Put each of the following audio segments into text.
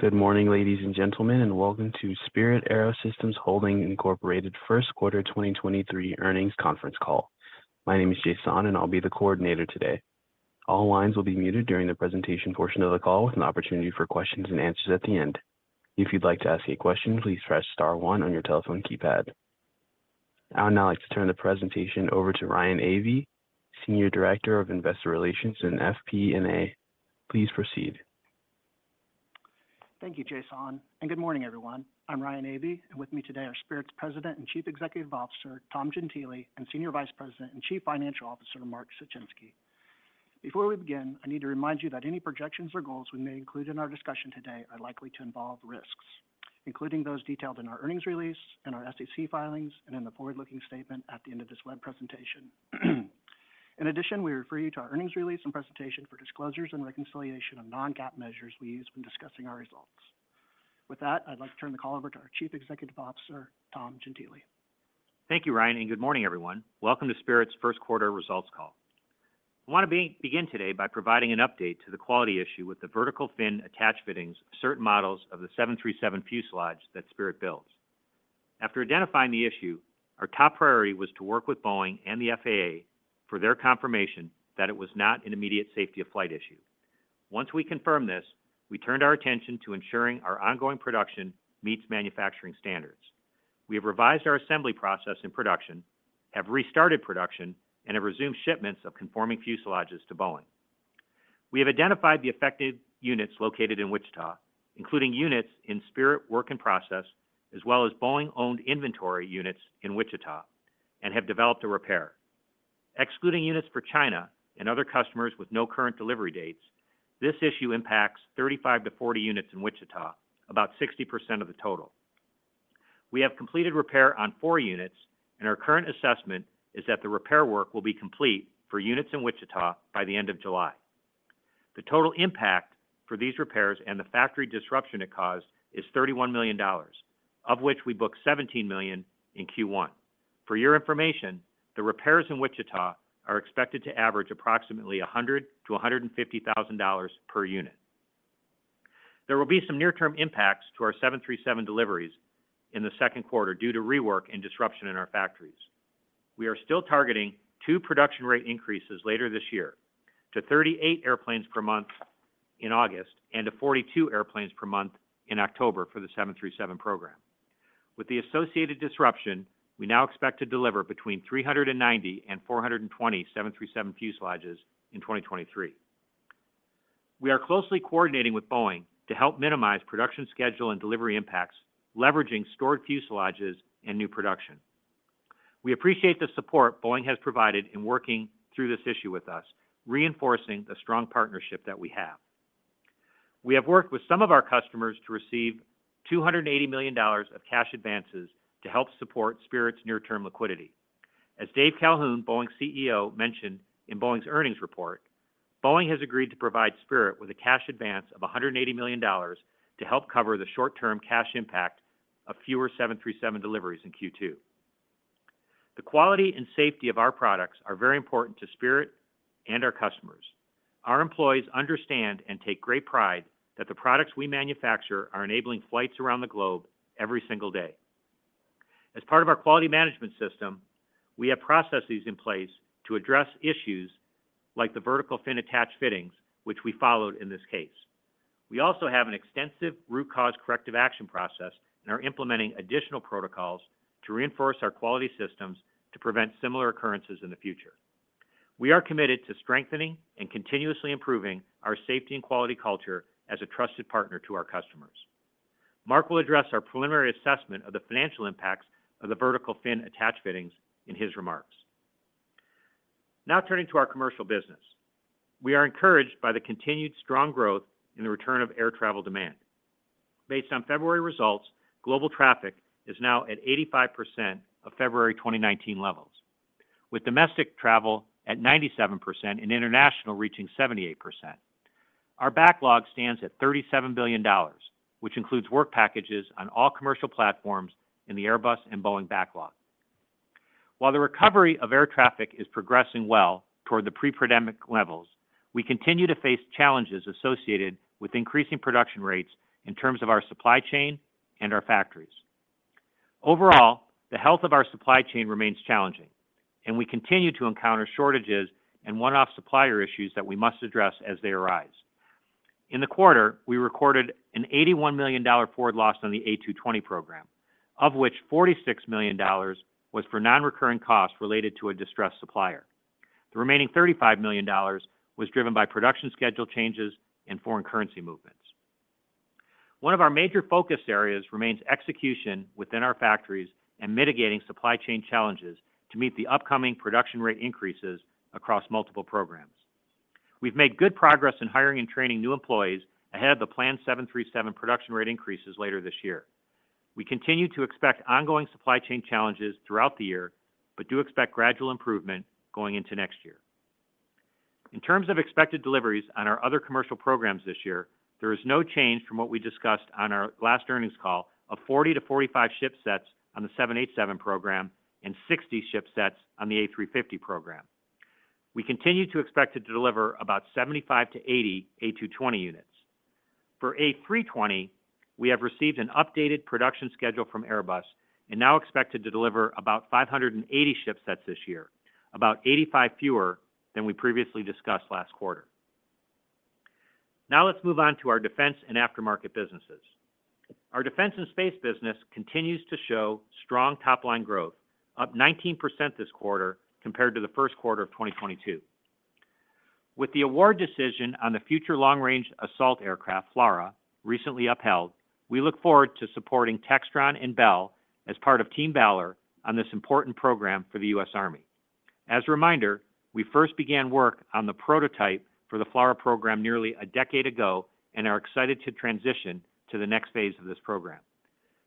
Good morning, ladies and gentlemen, and welcome to Spirit AeroSystems Holdings, Inc. First Quarter 2023 earnings conference call. My name is Jason, and I'll be the coordinator today. All lines will be muted during the presentation portion of the call with an opportunity for questions and answers at the end. If you'd like to ask a question, please press star one on your telephone keypad. I would now like to turn the presentation over to Ryan Avey, Senior Director of Investor Relations in FP&A. Please proceed. Thank you, Jason, and good morning, everyone. I'm Ryan Avey, and with me today are Spirit's President and Chief Executive Officer, Tom Gentile, and Senior Vice President and Chief Financial Officer, Mark Suchinski. Before we begin, I need to remind you that any projections or goals we may include in our discussion today are likely to involve risks, including those detailed in our earnings release and our SEC filings and in the forward-looking statement at the end of this web presentation. In addition, we refer you to our earnings release and presentation for disclosures and reconciliation of non-GAAP measures we use when discussing our results. With that, I'd like to turn the call over to our Chief Executive Officer, Tom Gentile. Thank you, Ryan, and good morning, everyone. Welcome to Spirit's First Quarter Results call. I want to begin today by providing an update to the quality issue with the vertical fin attach fittings of certain models of the 737 fuselages that Spirit builds. After identifying the issue, our top priority was to work with Boeing and the FAA for their confirmation that it was not an immediate safety of flight issue. Once we confirmed this, we turned our attention to ensuring our ongoing production meets manufacturing standards. We have revised our assembly process in production, have restarted production, and have resumed shipments of conforming fuselages to Boeing. We have identified the affected units located in Wichita, including units in Spirit work in process, as well as Boeing-owned inventory units in Wichita and have developed a repair. Excluding units for China and other customers with no current delivery dates, this issue impacts 35-40 units in Wichita, about 60% of the total. We have completed repair on four units, and our current assessment is that the repair work will be complete for units in Wichita by the end of July. The total impact for these repairs and the factory disruption it caused is $31 million, of which we booked $17 million in Q1. For your information, the repairs in Wichita are expected to average approximately $100,000-$150,000 per unit. There will be some near-term impacts to our 737 deliveries in the second quarter due to rework and disruption in our factories. We are still targeting two production rate increases later this year to 38 airplanes per month in August and to 42 airplanes per month in October for the 737 program. With the associated disruption, we now expect to deliver between 390 and 420, 737 fuselages in 2023. We are closely coordinating with Boeing to help minimize production schedule and delivery impacts, leveraging stored fuselages and new production. We appreciate the support Boeing has provided in working through this issue with us, reinforcing the strong partnership that we have. We have worked with some of our customers to receive $280 million of cash advances to help support Spirit's near-term liquidity. As Dave Calhoun, Boeing's CEO, mentioned in Boeing's earnings report, Boeing has agreed to provide Spirit with a cash advance of $180 million to help cover the short-term cash impact of fewer 737 deliveries in Q2. The quality and safety of our products are very important to Spirit and our customers. Our employees understand and take great pride that the products we manufacture are enabling flights around the globe every single day. As part of our quality management system, we have processes in place to address issues like the vertical fin attach fittings, which we followed in this case. We also have an extensive root cause corrective action process and are implementing additional protocols to reinforce our quality systems to prevent similar occurrences in the future. We are committed to strengthening and continuously improving our safety and quality culture as a trusted partner to our customers. Mark will address our preliminary assessment of the financial impacts of the vertical fin attach fittings in his remarks. Turning to our commercial business. We are encouraged by the continued strong growth in the return of air travel demand. Based on February results, global traffic is now at 85% of February 2019 levels, with domestic travel at 97% and international reaching 78%. Our backlog stands at $37 billion, which includes work packages on all commercial platforms in the Airbus and Boeing backlog. The recovery of air traffic is progressing well toward the pre-pandemic levels, we continue to face challenges associated with increasing production rates in terms of our supply chain and our factories. Overall, the health of our supply chain remains challenging, and we continue to encounter shortages and one-off supplier issues that we must address as they arise. In the quarter, we recorded an $81 million forward loss on the A220 program, of which $46 million was for non-recurring costs related to a distressed supplier. The remaining $35 million was driven by production schedule changes and foreign currency movements. One of our major focus areas remains execution within our factories and mitigating supply chain challenges to meet the upcoming production rate increases across multiple programs. We've made good progress in hiring and training new employees ahead of the planned 737 production rate increases later this year. We continue to expect ongoing supply chain challenges throughout the year, but do expect gradual improvement going into next year. In terms of expected deliveries on our other commercial programs this year, there is no change from what we discussed on our last earnings call of 40-45 shipsets on the 787 program and 60 shipsets on the A350 program. We continue to expect to deliver about 75-80 A220 units. For A320, we have received an updated production schedule from Airbus and now expect to deliver about 580 ship sets this year, about 85 fewer than we previously discussed last quarter. Now let's move on to our defense and aftermarket businesses. Our defense and space business continues to show strong top-line growth, up 19% this quarter compared to the first quarter of 2022. With the award decision on the Future Long-Range Assault Aircraft, FLRAA, recently upheld, we look forward to supporting Textron and Bell as part of Team Valor on this important program for the U.S. Army. As a reminder, we first began work on the prototype for the FLRAA program nearly a decade ago and are excited to transition to the next phase of this program.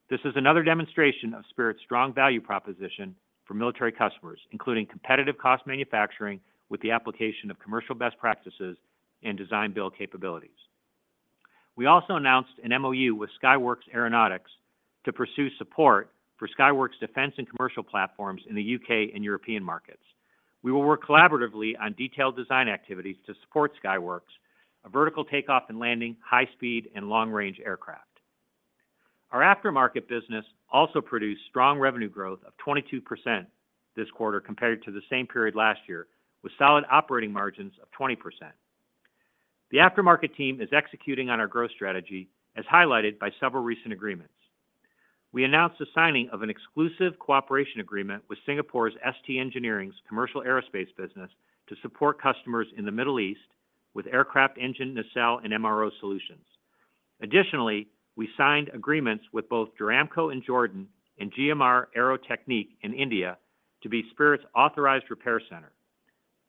This is another demonstration of Spirit's strong value proposition for military customers, including competitive cost manufacturing with the application of commercial best practices and design build capabilities. We also announced an MoU with Skyworks Aeronautics to pursue support for Skyworks defense and commercial platforms in the U.K. and European markets. We will work collaboratively on detailed design activities to support Skyworks, a vertical takeoff and landing, high-speed and long-range aircraft. Our aftermarket business also produced strong revenue growth of 22% this quarter compared to the same period last year, with solid operating margins of 20%. The aftermarket team is executing on our growth strategy, as highlighted by several recent agreements. We announced the signing of an exclusive cooperation agreement with Singapore's ST Engineering's commercial aerospace business to support customers in the Middle East with aircraft engine nacelle and MRO solutions. Additionally, we signed agreements with both Joramco in Jordan and GMR Aero Technic in India to be Spirit's authorized repair center,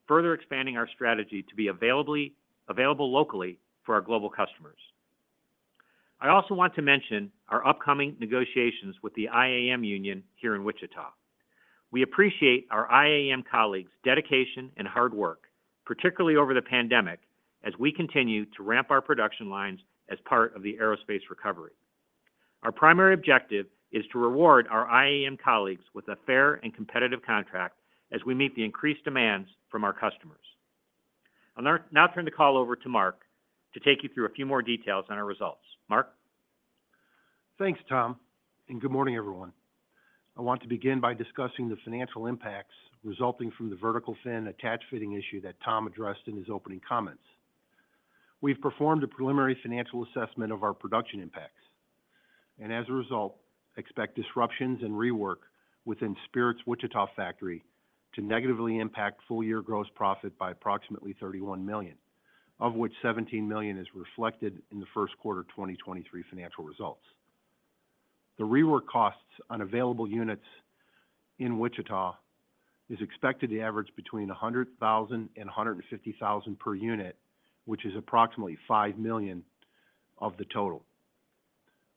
further expanding our strategy to be available locally for our global customers. I also want to mention our upcoming negotiations with the IAM union here in Wichita. We appreciate our IAM colleagues' dedication and hard work, particularly over the pandemic, as we continue to ramp our production lines as part of the aerospace recovery. Our primary objective is to reward our IAM colleagues with a fair and competitive contract as we meet the increased demands from our customers. I'll now turn the call over to Mark to take you through a few more details on our results. Mark? Thanks, Tom. Good morning, everyone. I want to begin by discussing the financial impacts resulting from the vertical fin attach fitting issue that Tom addressed in his opening comments. We've performed a preliminary financial assessment of our production impacts, and as a result, expect disruptions and rework within Spirit's Wichita factory to negatively impact full-year gross profit by approximately $31 million, of which $17 million is reflected in the first quarter 2023 financial results. The rework costs on available units in Wichita is expected to average between $100,000 and $150,000 per unit, which is approximately $5 million of the total.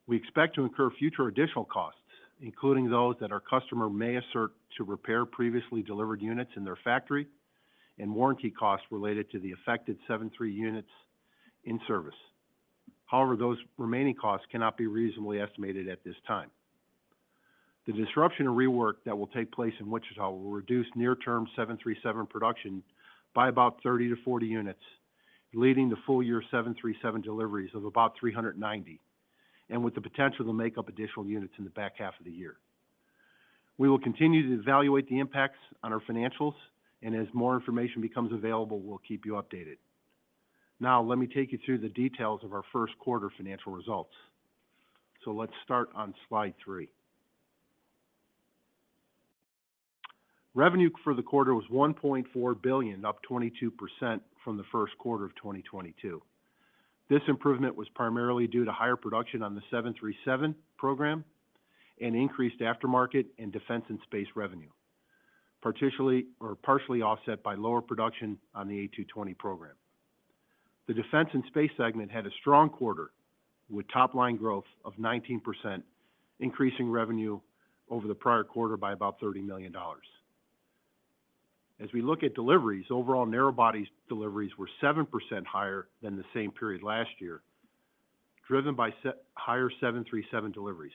We expect to incur future additional costs, including those that our customer may assert to repair previously delivered units in their factory and warranty costs related to the affected 737 units in service. However, those remaining costs cannot be reasonably estimated at this time. The disruption and rework that will take place in Wichita will reduce near-term 737 production by about 30-40 units, leading to full-year 737 deliveries of about 390, and with the potential to make up additional units in the back half of the year. We will continue to evaluate the impacts on our financials, and as more information becomes available, we'll keep you updated. Now, let me take you through the details of our first quarter financial results. Let's start on slide three. Revenue for the quarter was $1.4 billion, up 22% from the first quarter of 2022. This improvement was primarily due to higher production on the 737 program and increased aftermarket and defense and space revenue, partially offset by lower production on the A220 program. The Defense and Space segment had a strong quarter with top-line growth of 19%, increasing revenue over the prior quarter by about $30 million. We look at deliveries, overall narrow body deliveries were 7% higher than the same period last year, driven by higher 737 deliveries,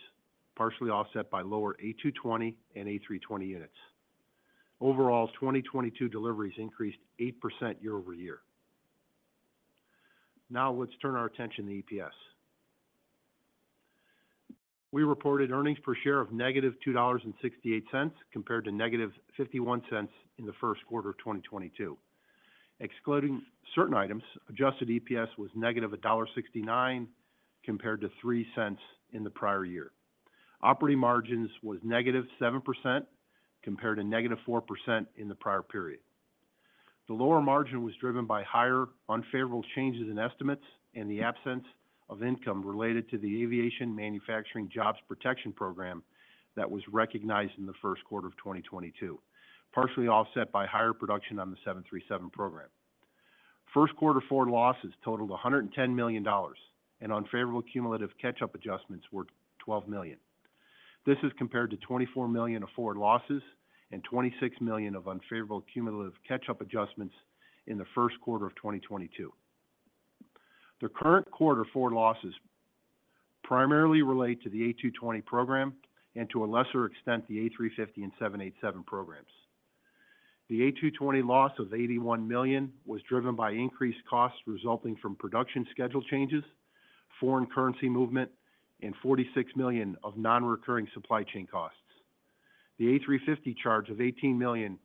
partially offset by lower A220 and A320 units. 2022 deliveries increased 8% year over year. Let's turn our attention to EPS. We reported earnings per share of $-2.68, compared to $-0.51 in the first quarter of 2022. Excluding certain items, Adjusted EPS was $-1.69, compared to $0.03 in the prior year. Operating margins was -7% compared to -4% in the prior period. The lower margin was driven by higher unfavorable changes in estimates and the absence of income related to the Aviation Manufacturing Jobs Protection program that was recognized in the first quarter of 2022, partially offset by higher production on the 737 program. First quarter forward losses totaled $110 million, and unfavorable cumulative catch-up adjustments were $12 million. This is compared to $24 million of forward losses and $26 million of unfavorable cumulative catch-up adjustments in the first quarter of 2022. The current quarter four losses primarily relate to the A220 program and to a lesser extent, the A350 and 787 programs. The A220 loss of $81 million was driven by increased costs resulting from production schedule changes, foreign currency movement, and $46 million of non-recurring supply chain costs. The A350 charge of $18 million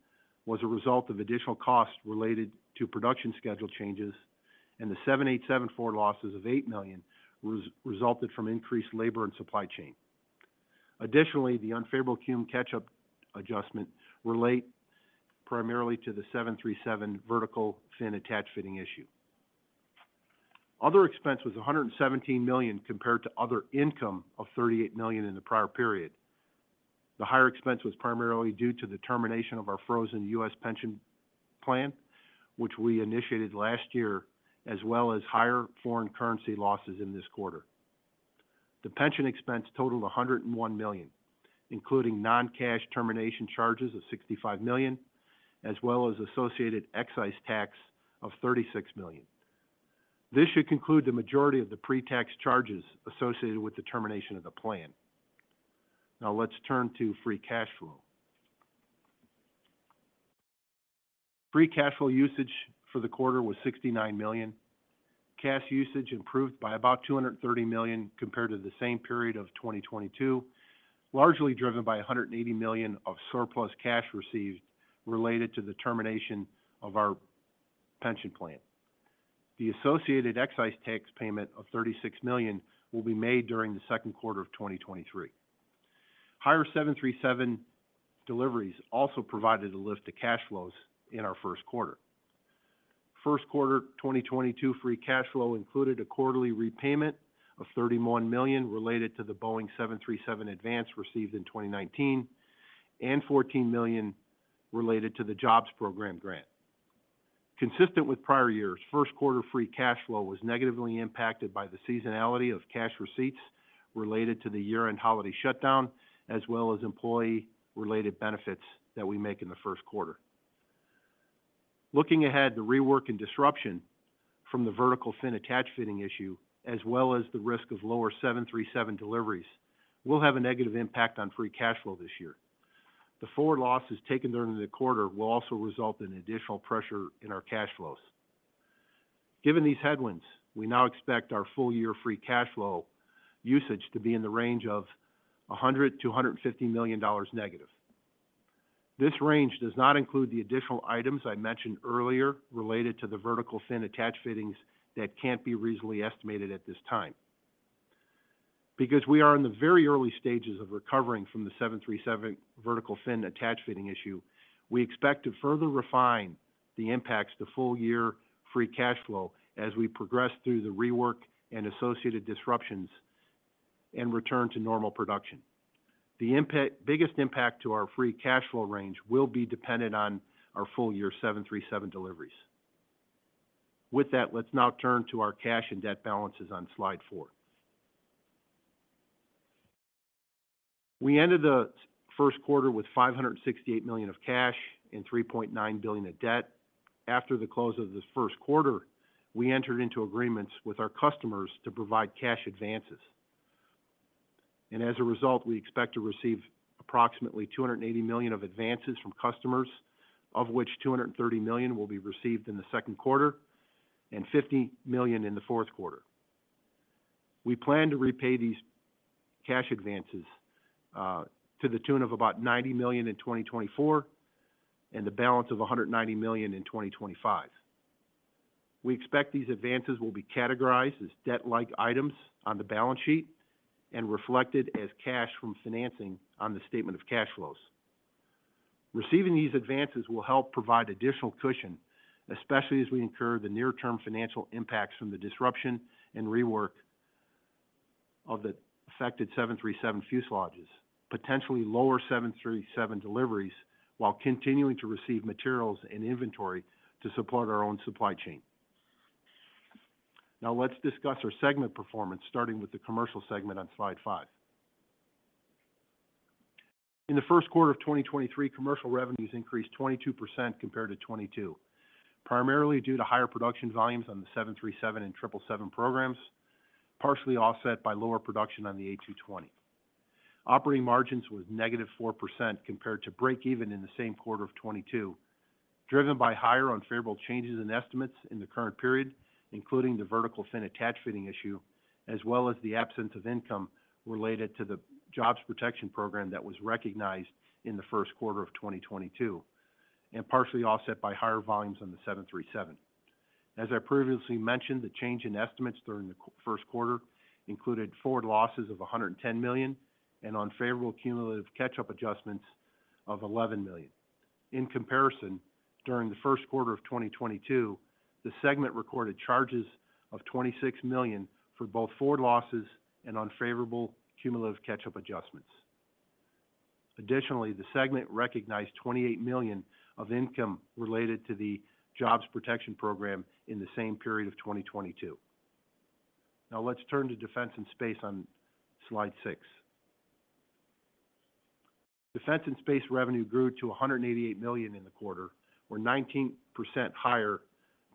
was a result of additional costs related to production schedule changes, and the 787 four losses of $8 million resulted from increased labor and supply chain. Additionally, the unfavorable Q catch-up adjustment relate primarily to the 737 vertical fin attach fitting issue. Other expense was $117 million compared to other income of $38 million in the prior period. The higher expense was primarily due to the termination of our frozen U.S. pension plan, which we initiated last year, as well as higher foreign currency losses in this quarter. The pension expense totaled $101 million, including non-cash termination charges of $65 million, as well as associated excise tax of $36 million. This should conclude the majority of the pre-tax charges associated with the termination of the plan. Now let's turn to Free Cash Flow. Free Cash Flow usage for the quarter was $69 million. Cash usage improved by about $230 million compared to the same period of 2022, largely driven by $180 million of surplus cash received related to the termination of our pension plan. The associated excise tax payment of $36 million will be made during the second quarter of 2023. Higher 737 deliveries also provided a lift to cash flows in our first quarter. First quarter 2022 Free Cash Flow included a quarterly repayment of $31 million related to the Boeing 737 advance received in 2019, and $14 million related to the Jobs Program grant. Consistent with prior years, first quarter Free Cash Flow was negatively impacted by the seasonality of cash receipts related to the year-end holiday shutdown, as well as employee-related benefits that we make in the first quarter. Looking ahead, the rework and disruption from the vertical fin attach fittings issue, as well as the risk of lower 737 deliveries, will have a negative impact on Free Cash Flow this year. The forward losses taken during the quarter will also result in additional pressure in our cash flows. Given these headwinds, we now expect our full year Free Cash Flow usage to be in the range of $-100 million-$-150 million. This range does not include the additional items I mentioned earlier related to the vertical fin attach fittings that can't be reasonably estimated at this time. We are in the very early stages of recovering from the 737 vertical fin attach fitting issue, we expect to further refine the impacts to full year Free Cash Flow as we progress through the rework and associated disruptions and return to normal production. The biggest impact to our Free Cash Flow range will be dependent on our full year 737 deliveries. With that, let's now turn to our cash and debt balances on slide four. We ended the first quarter with $568 million of cash and $3.9 billion of debt. After the close of the first quarter, we entered into agreements with our customers to provide cash advances. As a result, we expect to receive approximately $280 million of advances from customers, of which $230 million will be received in the second quarter and $50 million in the fourth quarter. We plan to repay these cash advances, to the tune of about $90 million in 2024 and the balance of $190 million in 2025. We expect these advances will be categorized as debt-like items on the balance sheet and reflected as cash from financing on the statement of cash flows. Receiving these advances will help provide additional cushion, especially as we incur the near-term financial impacts from the disruption and rework of the affected 737 fuselages, potentially lower 737 deliveries while continuing to receive materials and inventory to support our own supply chain. Let's discuss our segment performance, starting with the commercial segment on slide five. In the first quarter of 2023, commercial revenues increased 22% compared to 2022, primarily due to higher production volumes on the 737 and 777 programs, partially offset by lower production on the A220. Operating margins was -4% compared to break even in the same quarter of 2022, driven by higher unfavorable changes in estimates in the current period, including the vertical fin attach fittings issue, as well as the absence of income related to the Jobs Protection Program that was recognized in the first quarter of 2022, and partially offset by higher volumes on the 737. As I previously mentioned, the change in estimates during the first quarter included forward losses of $110 million and unfavorable cumulative catch-up adjustments of $11 million. In comparison, during the first quarter of 2022, the segment recorded charges of $26 million for both forward losses and unfavorable cumulative catch-up adjustments. Additionally, the segment recognized $28 million of income related to the Jobs Protection Program in the same period of 2022. Let's turn to Defense and Space on slide six. Defense and Space revenue grew to $188 million in the quarter, or 19% higher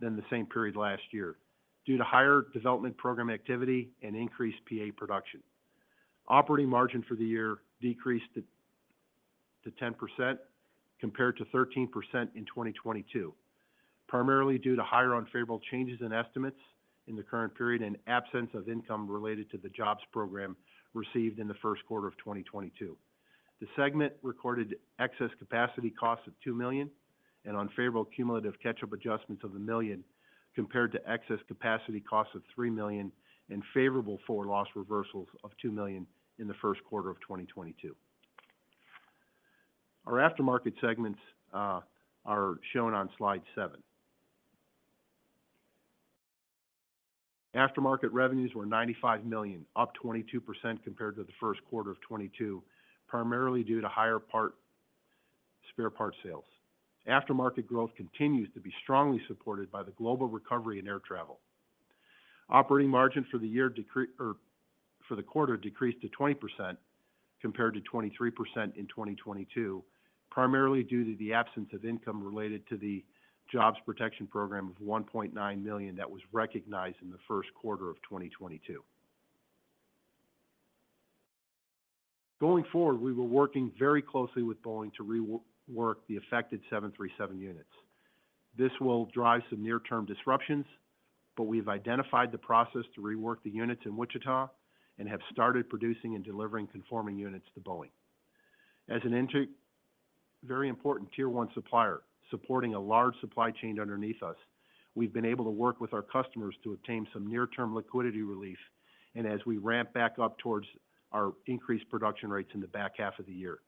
than the same period last year due to higher development program activity and increased P-8A production. Operating margin for the year decreased to 10% compared to 13% in 2022, primarily due to higher unfavorable changes in estimates in the current period and absence of income related to the Jobs Protection Program received in the first quarter of 2022. The segment recorded excess capacity costs of $2 million and unfavorable cumulative catch-up adjustments of $1 million compared to excess capacity costs of $3 million and favorable for loss reversals of $2 million in the first quarter of 2022. Our aftermarket segments are shown on slide seven. Aftermarket revenues were $95 million, up 22% compared to the first quarter of 2022, primarily due to higher spare part sales. Aftermarket growth continues to be strongly supported by the global recovery in air travel. Operating margin for the year or for the quarter decreased to 20% compared to 23% in 2022, primarily due to the absence of income related to the Jobs Protection Program of $1.9 million that was recognized in the first quarter of 2022. Going forward, we were working very closely with Boeing to rework the affected 737 units. This will drive some near-term disruptions, but we've identified the process to rework the units in Wichita and have started producing and delivering conforming units to Boeing. As a very important tier one supplier supporting a large supply chain underneath us, we've been able to work with our customers to obtain some near-term liquidity relief, and as we ramp back up towards our increased production rates in the back half of the year.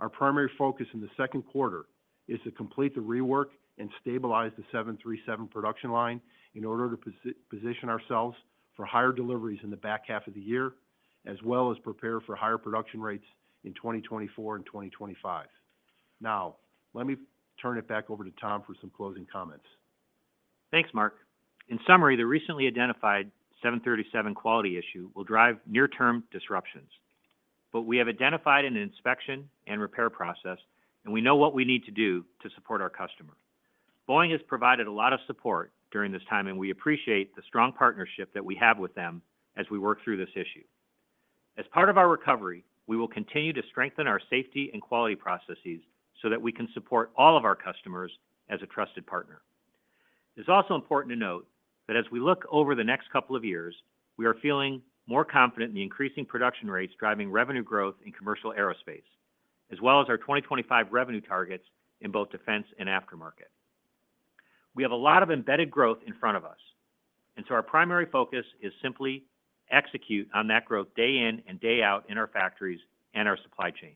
Our primary focus in the second quarter is to complete the rework and stabilize the 737 production line in order to position ourselves for higher deliveries in the back half of the year, as well as prepare for higher production rates in 2024 and 2025. Now, let me turn it back over to Tom for some closing comments. Thanks, Mark. In summary, the recently identified 737 quality issue will drive near-term disruptions. We have identified an inspection and repair process, and we know what we need to do to support our customer. Boeing has provided a lot of support during this time, and we appreciate the strong partnership that we have with them as we work through this issue. As part of our recovery, we will continue to strengthen our safety and quality processes so that we can support all of our customers as a trusted partner. It's also important to note that as we look over the next couple of years, we are feeling more confident in the increasing production rates driving revenue growth in commercial aerospace, as well as our 2025 revenue targets in both defense and aftermarket. We have a lot of embedded growth in front of us. Our primary focus is simply execute on that growth day in and day out in our factories and our supply chain.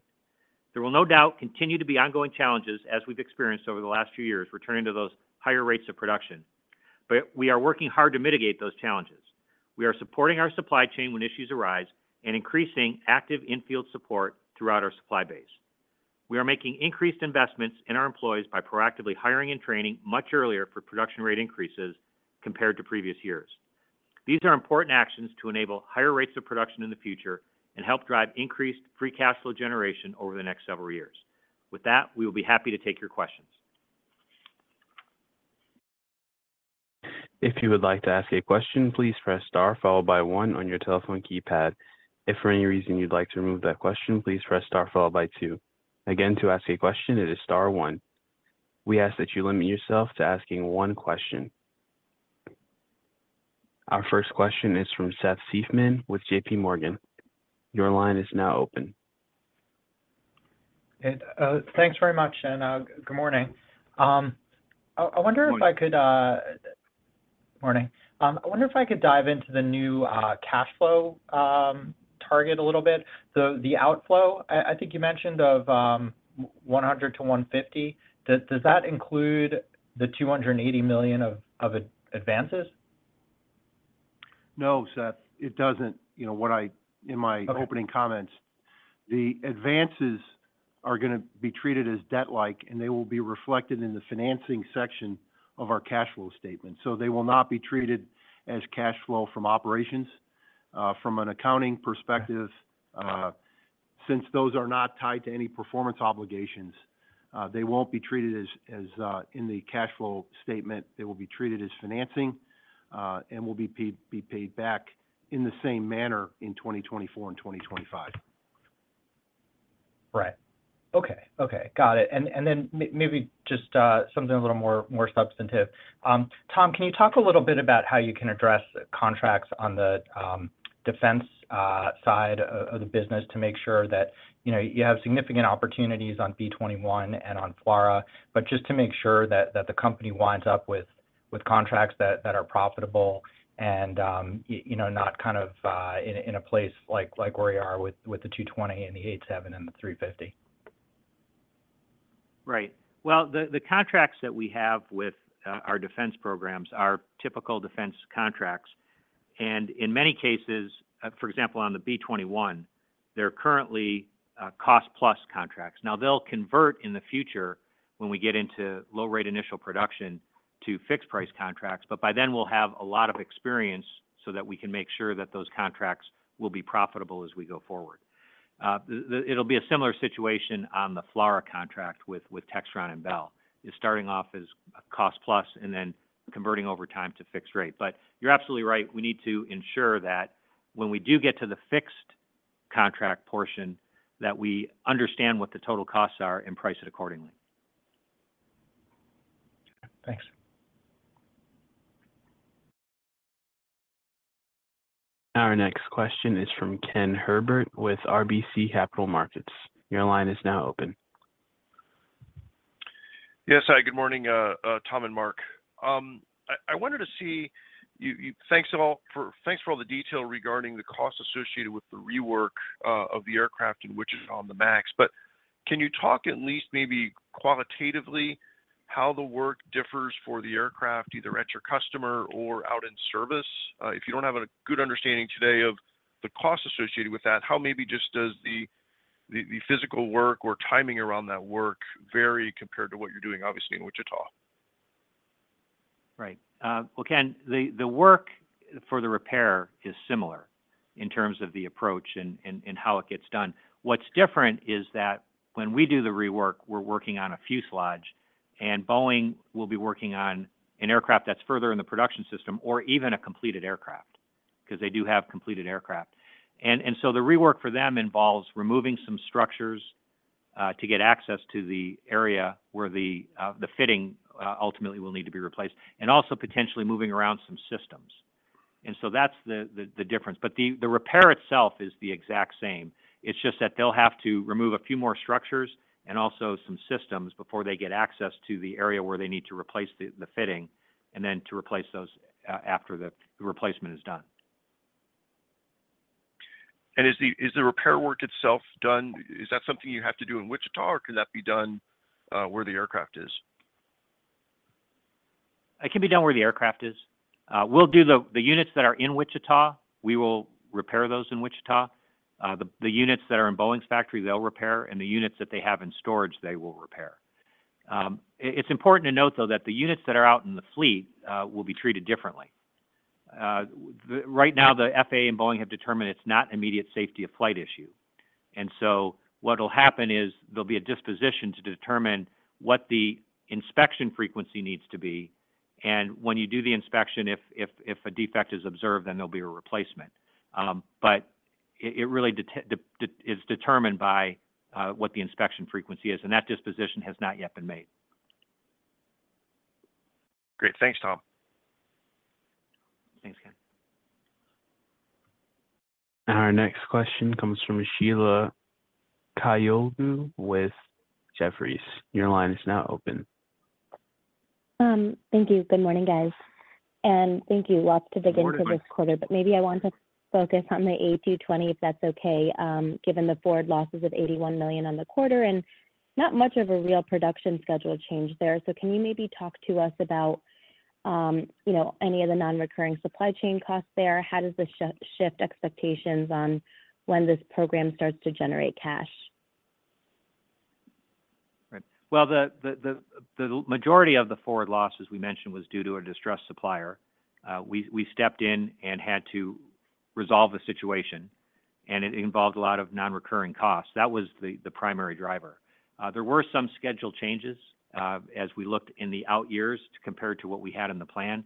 There will no doubt continue to be ongoing challenges as we've experienced over the last few years, returning to those higher rates of production. We are working hard to mitigate those challenges. We are supporting our supply chain when issues arise and increasing active in-field support throughout our supply base. We are making increased investments in our employees by proactively hiring and training much earlier for production rate increases compared to previous years. These are important actions to enable higher rates of production in the future and help drive increased Free Cash Flow generation over the next several years. With that, we will be happy to take your questions. If you would like to ask a question, please press star followed by one on your telephone keypad. If for any reason you'd like to remove that question, please press star followed by two. Again, to ask a question, it is star one. We ask that you limit yourself to asking one question. Our first question is from Seth Seifman with J.P. Morgan. Your line is now open. Hey, thanks very much, and good morning. I wonder if I could. Morning. I wonder if I could dive into the new cash flow target a little bit. The outflow, I think you mentioned of $100-$150. Does that include the $280 million of advances? No, Seth, it doesn't. You know what In my opening comments, the advances are gonna be treated as debt-like, and they will be reflected in the financing section of our cash flow statement. They will not be treated as cash flow from operations. From an accounting perspective, since those are not tied to any performance obligations, they won't be treated as in the cash flow statement. They will be treated as financing, and will be paid back in the same manner in 2024 and 2025. Right. Okay. Okay. Got it. Then maybe just something a little more, more substantive. Tom, can you talk a little bit about how you can address contracts on the defense side of the business to make sure that, you know, you have significant opportunities on B-21 and on FLRAA, but just to make sure that the company winds up with contracts that are profitable and you know, not kind of in a place like where you are with 220 and the 87 and 350. Well, the contracts that we have with our defense programs are typical defense contracts. In many cases, for example, on the B-21, they're currently cost plus contracts. They'll convert in the future when we get into low rate initial production to fixed price contracts, but by then we'll have a lot of experience so that we can make sure that those contracts will be profitable as we go forward. It'll be a similar situation on the FLRAA contract with Textron and Bell, starting off as a cost-plus and then converting over time to fixed rate. You're absolutely right, we need to ensure that when we do get to the fixed contract portion, that we understand what the total costs are and price it accordingly. Thanks. Our next question is from Ken Herbert with RBC Capital Markets. Your line is now open. Yes. Hi, good morning, Tom and Mark. Thanks for all the detail regarding the costs associated with the rework of the aircraft in Wichita on the MAX. Can you talk at least maybe qualitatively how the work differs for the aircraft, either at your customer or out in service? If you don't have a good understanding today of the costs associated with that, how maybe just does the physical work or timing around that work vary compared to what you're doing, obviously, in Wichita? Right. Well, Ken, the work for the repair is similar in terms of the approach and how it gets done. What's different is that when we do the rework, we're working on a fuselage, and Boeing will be working on an aircraft that's further in the production system or even a completed aircraft, 'cause they do have completed aircraft. The rework for them involves removing some structures to get access to the area where the fitting ultimately will need to be replaced, and also potentially moving around some systems. That's the difference. The repair itself is the exact same. It's just that they'll have to remove a few more structures and also some systems before they get access to the area where they need to replace the fitting, and then to replace those after the replacement is done. Is that something you have to do in Wichita, or can that be done where the aircraft is? It can be done where the aircraft is. We'll do the units that are in Wichita, we will repair those in Wichita. The units that are in Boeing's factory, they'll repair. The units that they have in storage, they will repair. It's important to note, though, that the units that are out in the fleet will be treated differently. Right now, the FAA and Boeing have determined it's not immediate safety of flight issue. What'll happen is there'll be a disposition to determine what the inspection frequency needs to be, and when you do the inspection, if a defect is observed, then there'll be a replacement. It really is determined by what the inspection frequency is, and that disposition has not yet been made. Great. Thanks, Tom. Thanks, Ken. Our next question comes from Sheila Kahyaoglu with Jefferies. Your line is now open. Thank you. Good morning, guys. Thank you lots to begin to this quarter. Good morning. Maybe I want to focus on the A220, if that's okay, given the forward losses of $81 million on the quarter and not much of a real production schedule change there. Can you maybe talk to us about, you know, any of the non-recurring supply chain costs there? How does this shift expectations on when this program starts to generate cash? Right. Well, the majority of the forward losses we mentioned was due to a distressed supplier. We stepped in and had to resolve the situation, and it involved a lot of non-recurring costs. That was the primary driver. There were some schedule changes as we looked in the out years to compare to what we had in the plan.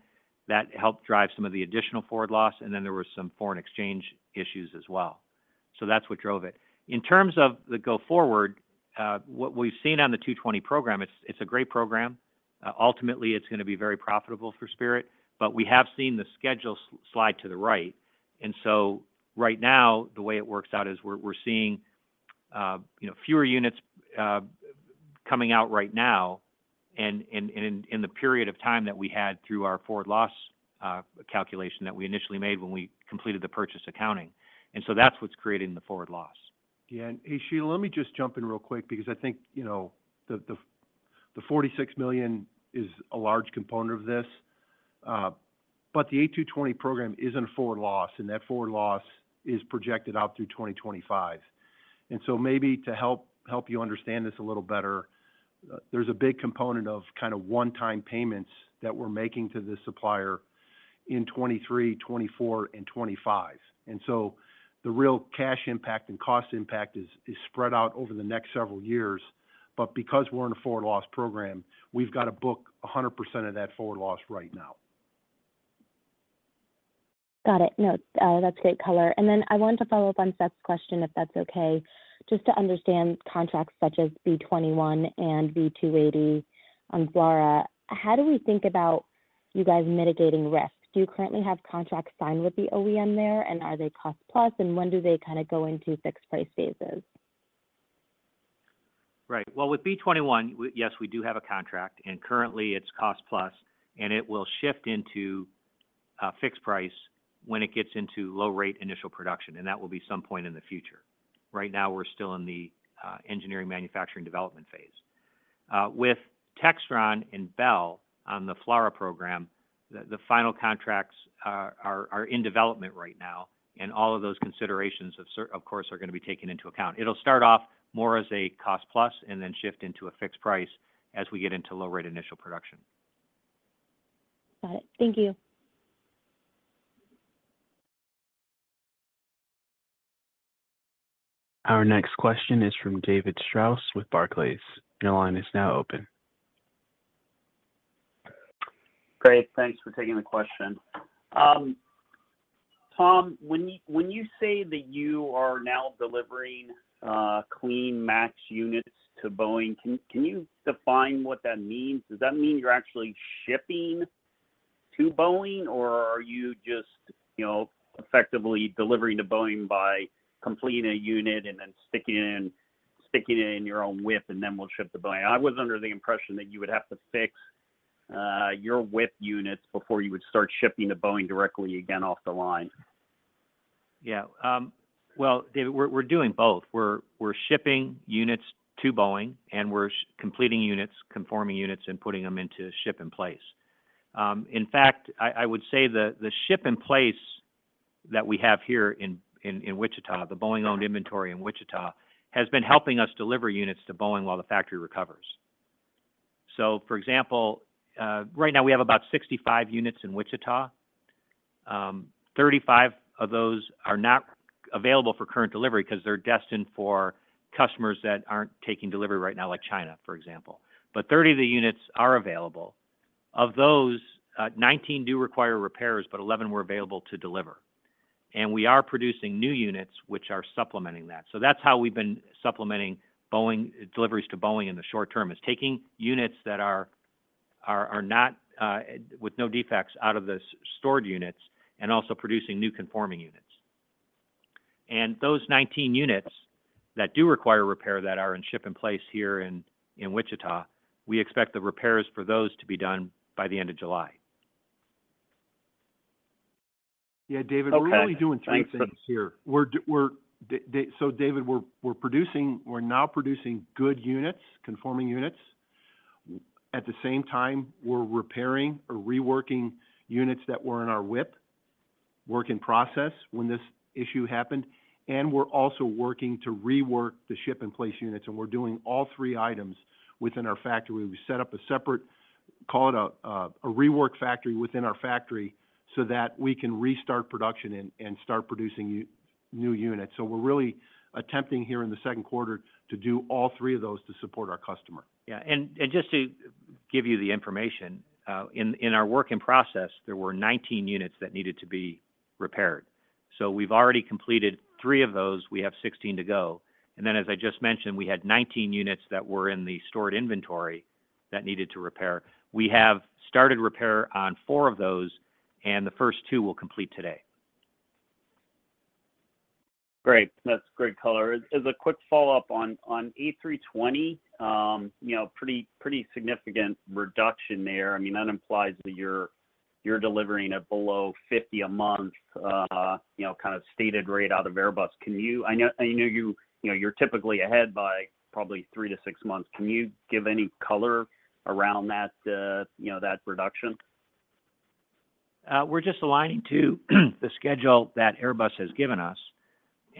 That helped drive some of the additional forward loss, and then there were some foreign exchange issues as well. That's what drove it. In terms of the go forward, what we've seen on the 220 program, it's a great program. Ultimately, it's gonna be very profitable for Spirit, but we have seen the schedule slide to the right. Right now, the way it works out is we're seeing, you know, fewer units, coming out right now and in the period of time that we had through our forward loss, calculation that we initially made when we completed the purchase accounting. That's what's creating the forward loss. Yeah, hey, Sheila, let me just jump in real quick because I think, you know, the $46 million is a large component of this, but the A220 program is in a forward loss, and that forward loss is projected out through 2025. Maybe to help you understand this a little better, there's a big component of kind of one-time payments that we're making to this supplier in 2023, 2024, and 2025. The real cash impact and cost impact is spread out over the next several years. Because we're in a forward loss program, we've got to book 100% of that forward loss right now. Got it. No, that's great color. I wanted to follow up on Seth's question, if that's okay, just to understand contracts such as B-21 and V-280 on FLRAA. How do we think about you guys mitigating risk? Do you currently have contracts signed with the OEM there, are they cost plus, when do they kind of go into fixed price phases? Right. Well, with B-21, yes, we do have a contract, and currently it's cost plus, and it will shift into fixed price when it gets into low rate initial production, and that will be some point in the future. Right now, we're still in the engineering manufacturing development phase. With Textron and Bell on the FLRAA program, the final contracts are in development right now, and all of those considerations of course, are going to be taken into account. It'll start off more as a cost plus and then shift into a fixed price as we get into low rate initial production. Got it. Thank you. Our next question is from David Strauss with Barclays. Your line is now open. Great. Thanks for taking the question. Tom, when you say that you are now delivering clean MAX units to Boeing, can you define what that means? Does that mean you're actually shipping to Boeing, or are you just, you know, effectively delivering to Boeing by completing a unit and then sticking it in your own WIP and then will ship to Boeing? I was under the impression that you would have to fix your WIP units before you would start shipping to Boeing directly again off the line. Yeah. Well, David, we're doing both. We're shipping units to Boeing, and we're completing units, conforming units, and putting them into ship in place. In fact, I would say the ship in place that we have here in Wichita, the Boeing-owned inventory in Wichita, has been helping us deliver units to Boeing while the factory recovers. For example, right now we have about 65 units in Wichita. 35 of those are not available for current delivery because they're destined for customers that aren't taking delivery right now, like China, for example. But 30 of the units are available. Of those, 19 do require repairs, but 11 were available to deliver. We are producing new units which are supplementing that. That's how we've been supplementing Boeing deliveries to Boeing in the short term, is taking units that are not with no defects out of the stored units and also producing new conforming units. Those 19 units that do require repair that are in ship in place here in Wichita, we expect the repairs for those to be done by the end of July. Okay. Thanks. David, we're producing, we're now producing good units, conforming units. At the same time, we're repairing or reworking units that were in our WIP, work in process, when this issue happened. We're also working to rework the ship in place units, and we're doing all three items within our factory. We set up a separate, call it a rework factory within our factory so that we can restart production and start producing new units. We're really attempting here in the second quarter to do all three of those to support our customer. Just to give you the information in our work in process, there were 19 units that needed to be repaired. We've already completed three of those. We have 16 to go. As I just mentioned, we had 19 units that were in the stored inventory that needed to repair. We have started repair on four of those, and the first two we'll complete today. Great. That's great color. As, as a quick follow-up on A320, you know, pretty significant reduction there. I mean, that implies that you're delivering at below 50 a month, you know, kind of stated rate out of Airbus. I know, I know you know, you're typically ahead by probably three to 6 months. Can you give any color around that, you know, that reduction? We're just aligning to the schedule that Airbus has given us.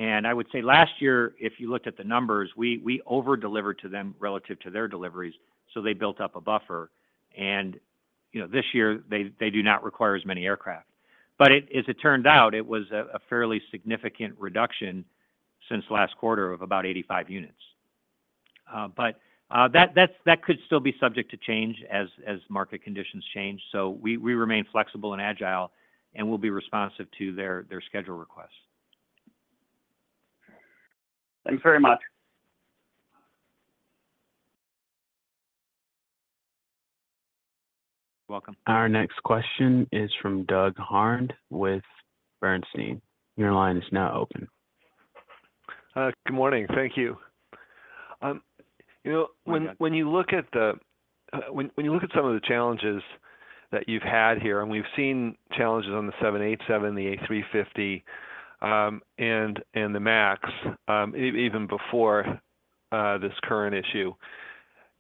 I would say last year, if you looked at the numbers, we over-delivered to them relative to their deliveries, so they built up a buffer. You know, this year they do not require as many aircraft. As it turned out, it was a fairly significant reduction since last quarter of about 85 units. That could still be subject to change as market conditions change. We remain flexible and agile, and we'll be responsive to their schedule requests. Thanks very much. You're welcome. Our next question is from Doug Harned with Bernstein. Your line is now open. Good morning. Thank you. You know. Hi, Doug.... when you look at the, when you look at some of the challenges that you've had here. We've seen challenges on the 787, the A350, and the MAX, even before this current issue.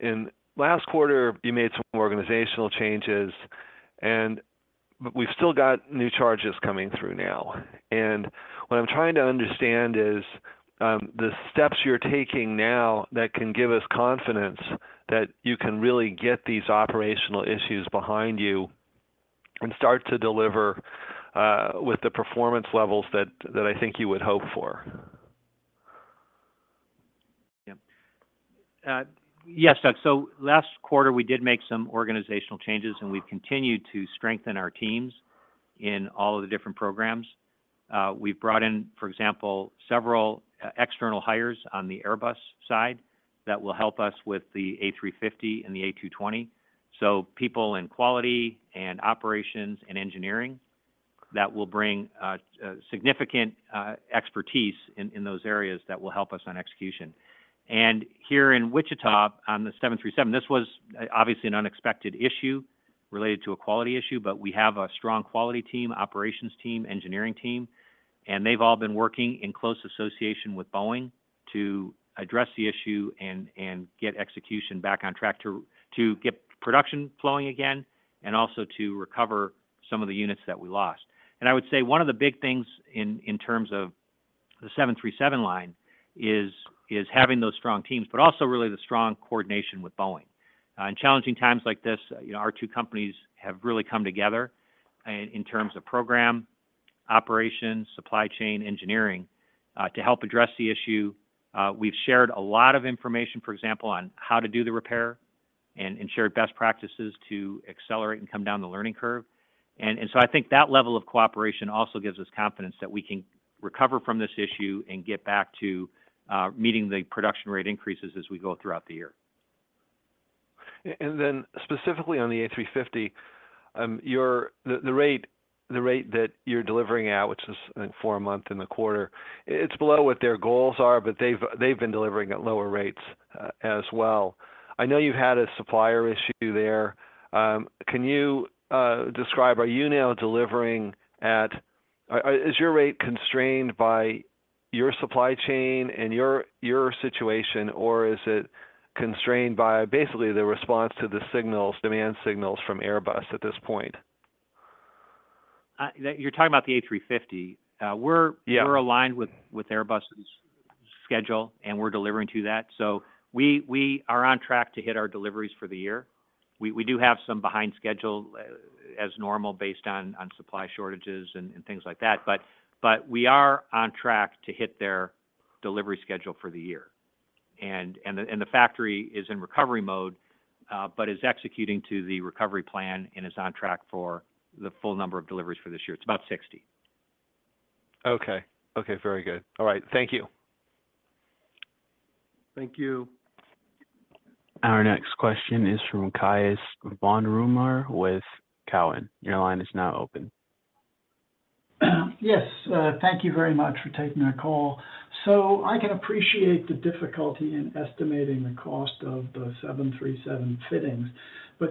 In last quarter, you made some organizational changes, but we've still got new charges coming through now. What I'm trying to understand is, the steps you're taking now that can give us confidence that you can really get these operational issues behind you and start to deliver with the performance levels that I think you would hope for. Yes, Doug. Last quarter, we did make some organizational changes, and we've continued to strengthen our teams in all of the different programs. We've brought in, for example, several external hires on the Airbus side that will help us with the A350 and the A220. People in quality and operations and engineering that will bring significant expertise in those areas that will help us on execution. Here in Wichita, on the 737, this was obviously an unexpected issue related to a quality issue, but we have a strong quality team, operations team, engineering team. They've all been working in close association with Boeing to address the issue and get execution back on track to get production flowing again and also to recover some of the units that we lost. I would say one of the big things in terms of the 737 line is having those strong teams, but also really the strong coordination with Boeing. In challenging times like this, you know, our two companies have really come together in terms of program, operations, supply chain, engineering, to help address the issue. We've shared a lot of information, for example, on how to do the repair and shared best practices to accelerate and come down the learning curve. So I think that level of cooperation also gives us confidence that we can recover from this issue and get back to meeting the production rate increases as we go throughout the year. Specifically on the A350, the rate that you're delivering at, which is, I think four a month in the quarter, it's below what their goals are, but they've been delivering at lower rates as well. I know you had a supplier issue there. Can you describe, is your rate constrained by your supply chain and your situation, or is it constrained by basically the response to the signals, demand signals from Airbus at this point? Yeah, you're talking about the A350. Yeah... we're aligned with Airbus's schedule, and we're delivering to that. We are on track to hit our deliveries for the year. We do have some behind schedule as normal based on supply shortages and things like that. We are on track to hit their delivery schedule for the year. The factory is in recovery mode, but is executing to the recovery plan and is on track for the full number of deliveries for this year. It's about 60. Okay. Okay, very good. All right. Thank you. Thank you. Our next question is from Cai von Rumohr with Cowen. Your line is now open. Thank you very much for taking our call. I can appreciate the difficulty in estimating the cost of the 737 fittings.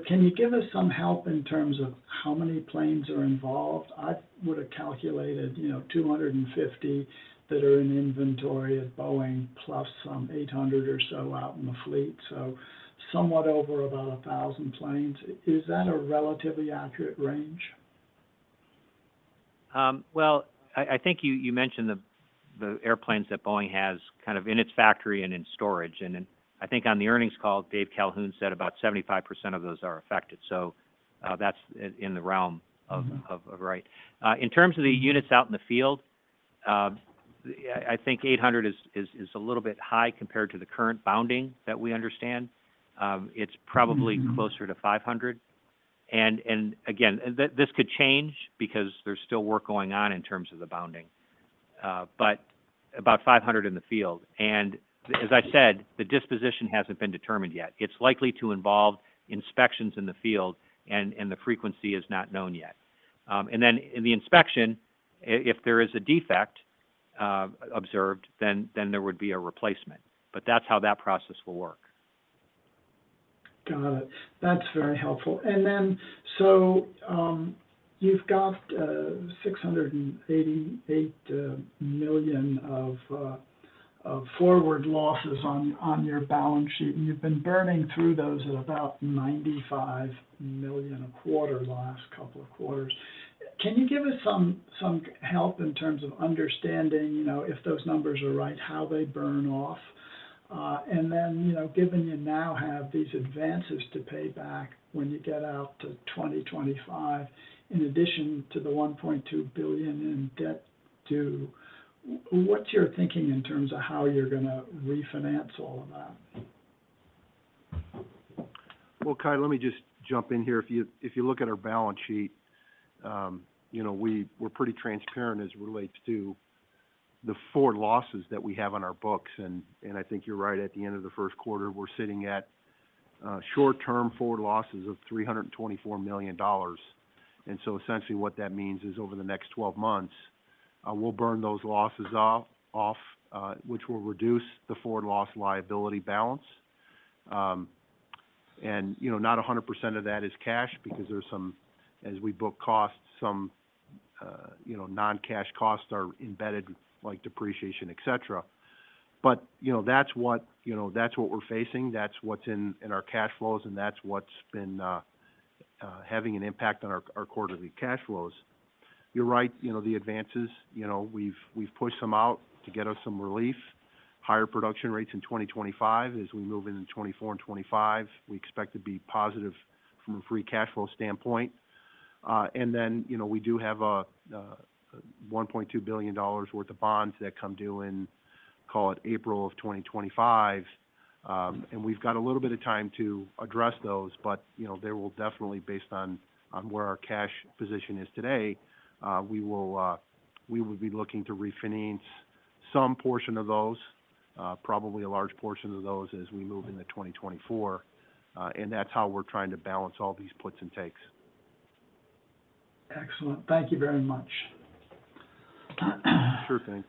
Can you give us some help in terms of how many planes are involved? I would have calculated, you know, 250 that are in inventory at Boeing, plus some 800 or so out in the fleet. Somewhat over about 1,000 planes. Is that a relatively accurate range? Well, I think you mentioned the airplanes that Boeing has in its factory and in storage. I think on the earnings call, Dave Calhoun said about 75% of those are affected. That's in the realm of. Mm-hmm of right. In terms of the units out in the field, yeah, I think 800 is a little bit high compared to the current bounding that we understand. It's probably. Mm-hmm... closer to 500. Again, this could change because there's still work going on in terms of the bounding. About 500 in the field. As I said, the disposition hasn't been determined yet. It's likely to involve inspections in the field and the frequency is not known yet. Then in the inspection, if there is a defect observed, then there would be a replacement. That's how that process will work. Got it. That's very helpful. You've got $688 million of forward losses on your balance sheet, and you've been burning through those at about $95 million a quarter the last couple of quarters. Can you give us some help in terms of understanding, you know, if those numbers are right, how they burn off? You know, given you now have these advances to pay back when you get out to 2025, in addition to the $1.2 billion in debt due, what's your thinking in terms of how you're gonna refinance all of that? Well, Cai, let me just jump in here. If you look at our balance sheet, you know, we're pretty transparent as it relates to the forward losses that we have on our books. I think you're right, at the end of the first quarter, we're sitting at short-term forward losses of $324 million. Essentially what that means is over the next 12 months, we'll burn those losses off, which will reduce the forward loss liability balance. You know, not 100% of that is cash because there's some, as we book costs, some, you know, non-cash costs are embedded like depreciation, etc. You know, that's what, you know, that's what we're facing. That's what's in our cash flows, and that's what's been having an impact on our quarterly cash flows. You're right, you know, the advances, you know, we've pushed them out to get us some relief. Higher production rates in 2025. As we move into 2024 and 2025, we expect to be positive from a Free Cash Flow standpoint. Then, you know, we do have a $1.2 billion worth of bonds that come due in, call it April of 2025. We've got a little bit of time to address those. You know, there will definitely, based on where our cash position is today, we will be looking to refinance some portion of those, probably a large portion of those as we move into 2024. That's how we're trying to balance all these puts and takes. Excellent. Thank you very much. Sure thing.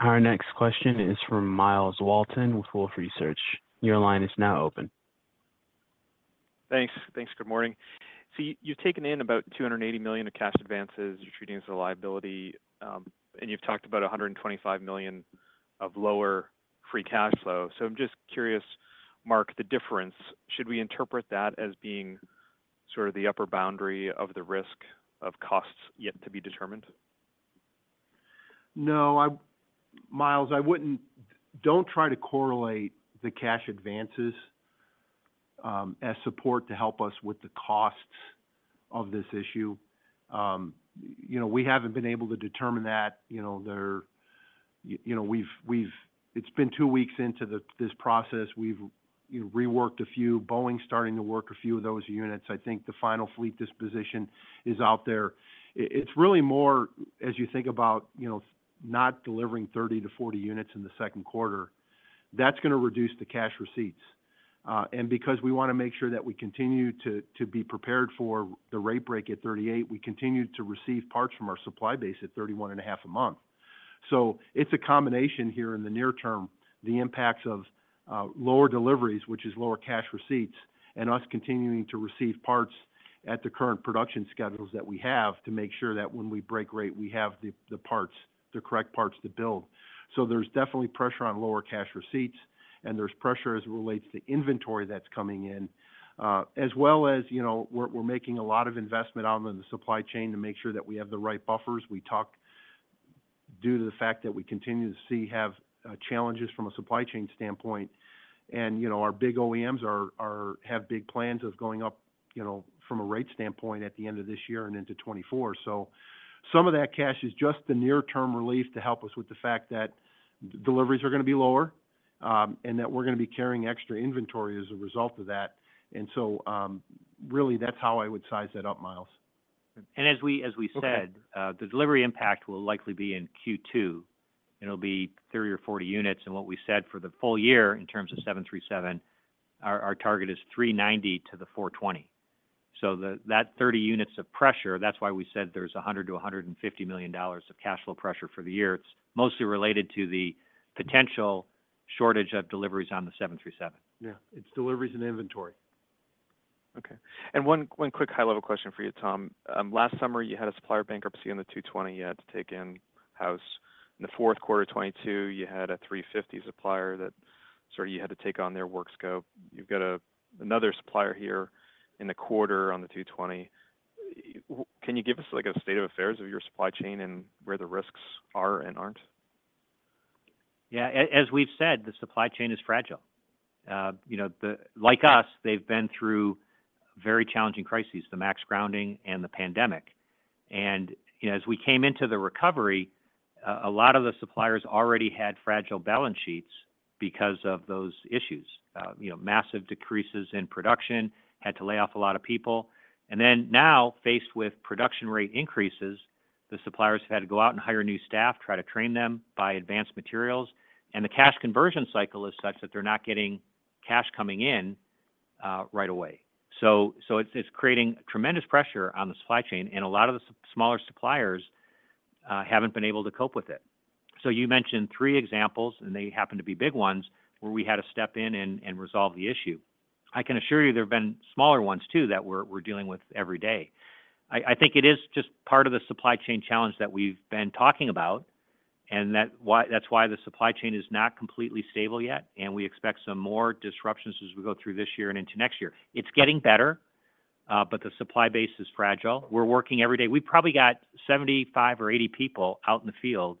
Our next question is from Myles Walton with Wolfe Research. Your line is now open. Thanks. Good morning. You've taken in about $280 million of cash advances you're treating as a liability, and you've talked about $125 million of lower Free Cash Flow. I'm just curious, Mark, the difference. Should we interpret that as being sort of the upper boundary of the risk of costs yet to be determined? Myles, don't try to correlate the cash advances as support to help us with the costs of this issue. You know, we haven't been able to determine that. You know, there. You know, It's been two weeks into this process. We've, you know, reworked a few. Boeing's starting to work a few of those units. I think the final fleet disposition is out there. It's really more as you think about, you know, not delivering 30-40 units in the second quarter, that's gonna reduce the cash receipts. Because we wanna make sure that we continue to be prepared for the rate break at 38, we continue to receive parts from our supply base at 31 and a half a month. It's a combination here in the near term, the impacts of lower deliveries, which is lower cash receipts, and us continuing to receive parts at the current production schedules that we have to make sure that when we break rate, we have the correct parts to build. There's definitely pressure on lower cash receipts, and there's pressure as it relates to inventory that's coming in. As well as, you know, we're making a lot of investment out in the supply chain to make sure that we have the right buffers. Due to the fact that we continue to have challenges from a supply chain standpoint, and, you know, our big OEMs have big plans of going up, you know, from a rate standpoint at the end of this year and into 2024. Some of that cash is just the near-term relief to help us with the fact that deliveries are going to be lower, and that we're going to be carrying extra inventory as a result of that. Really that's how I would size that up, Myles. As we said. Okay The delivery impact will likely be in Q2, and it'll be 30 or 40 units. What we said for the full year in terms of 737, our target is 390-420. That 30 units of pressure, that's why we said there's $100 million-$150 million of cash flow pressure for the year. It's mostly related to the potential shortage of deliveries on the 737. Yeah. It's deliveries and inventory. Okay. One quick high-level question for you, Tom. Last summer you had a supplier bankruptcy on the A220 you had to take in-house. In the fourth quarter of 2022 you had an A350 supplier that sort of you had to take on their work scope. You've got another supplier here in the quarter on the A220. Can you give us like a state of affairs of your supply chain and where the risks are and aren't? Yeah. As we've said, the supply chain is fragile. you know, Like us, they've been through very challenging crises, the MAX grounding and the pandemic. you know, as we came into the recovery, a lot of the suppliers already had fragile balance sheets because of those issues. you know, massive decreases in production, had to lay off a lot of people. Now, faced with production rate increases, the suppliers have had to go out and hire new staff, try to train them, buy advanced materials, and the cash conversion cycle is such that they're not getting cash coming in right away. So it's creating tremendous pressure on the supply chain, and a lot of the smaller suppliers haven't been able to cope with it. You mentioned three examples, and they happen to be big ones, where we had to step in and resolve the issue. I can assure you there have been smaller ones too that we're dealing with every day. I think it is just part of the supply chain challenge that we've been talking about and that's why the supply chain is not completely stable yet, and we expect some more disruptions as we go through this year and into next year. It's getting better, but the supply base is fragile. We're working every day. We probably got 75 or 80 people out in the field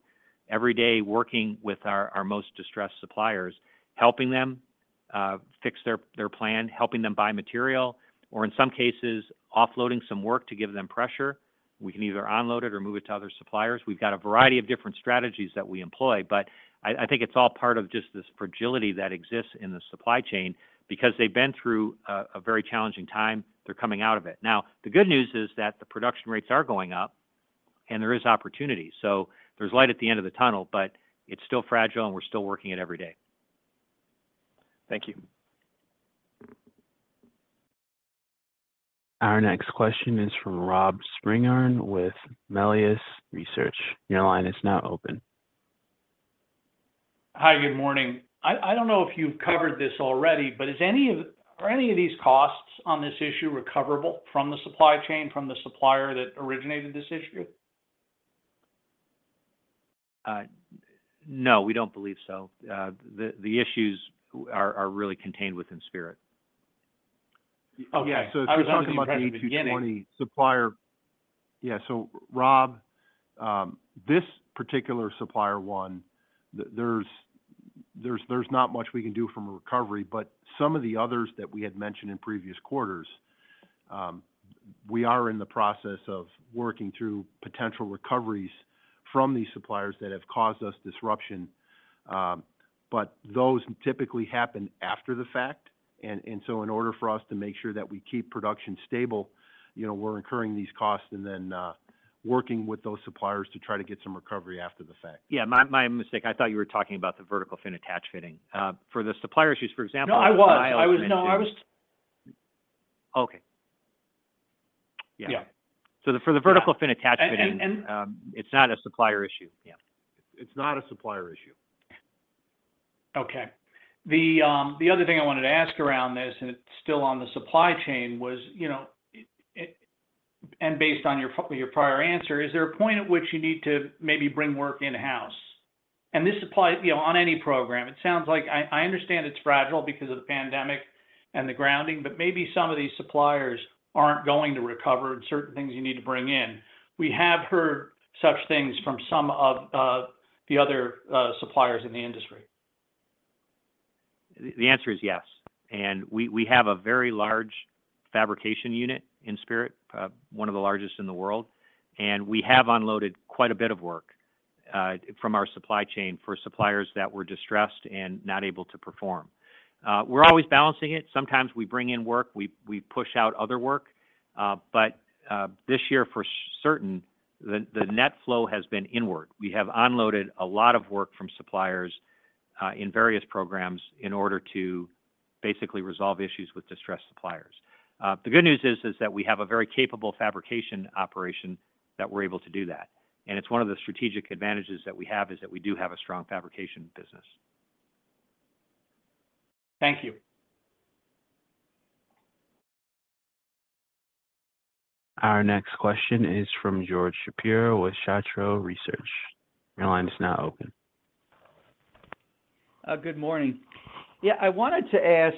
every day working with our most distressed suppliers, helping them fix their plan, helping them buy material, or in some cases offloading some work to give them pressure. We can either unload it or move it to other suppliers. We've got a variety of different strategies that we employ, but I think it's all part of just this fragility that exists in the supply chain because they've been through a very challenging time. They're coming out of it. Now, the good news is that the production rates are going up, and there is opportunity. There's light at the end of the tunnel, but it's still fragile, and we're still working it every day. Thank you. Our next question is from Rob Spingarn with Melius Research. Your line is now open. Hi. Good morning. I don't know if you've covered this already. Are any of these costs on this issue recoverable from the supply chain, from the supplier that originated this issue? No, we don't believe so. The issues are really contained within Spirit. Oh, yeah. I was talking about the beginning- If you're talking about the A220 supplier. Yeah. Rob, this particular supplier one, there's not much we can do from a recovery, but some of the others that we had mentioned in previous quarters, we are in the process of working through potential recoveries from these suppliers that have caused us disruption. Those typically happen after the fact. In order for us to make sure that we keep production stable, you know, we're incurring these costs and then working with those suppliers to try to get some recovery after the fact. Yeah. My mistake. I thought you were talking about the vertical fin attach fitting. For the supplier issues, for example- No, I was. OkayYeah. The, for the vertical fin attachment... And, and- It's not a supplier issue. Yeah. It's not a supplier issue. Okay. The other thing I wanted to ask around this, and it's still on the supply chain, was, you know, and based on your prior answer, is there a point at which you need to maybe bring work in-house? This applies, you know, on any program. It sounds like... I understand it's fragile because of the pandemic and the grounding, but maybe some of these suppliers aren't going to recover, and certain things you need to bring in. We have heard such things from some of the other suppliers in the industry. The answer is yes. We have a very large fabrication unit in Spirit, one of the largest in the world. We have unloaded quite a bit of work from our supply chain for suppliers that were distressed and not able to perform. We're always balancing it. Sometimes we bring in work, we push out other work. This year for certain, the net flow has been inward. We have unloaded a lot of work from suppliers in various programs in order to basically resolve issues with distressed suppliers. The good news is that we have a very capable fabrication operation that we're able to do that. It's one of the strategic advantages that we have, is that we do have a strong fabrication business. Thank you. Our next question is from George Shapiro with Shapiro Research. Your line is now open. Good morning. Yeah, I wanted to ask,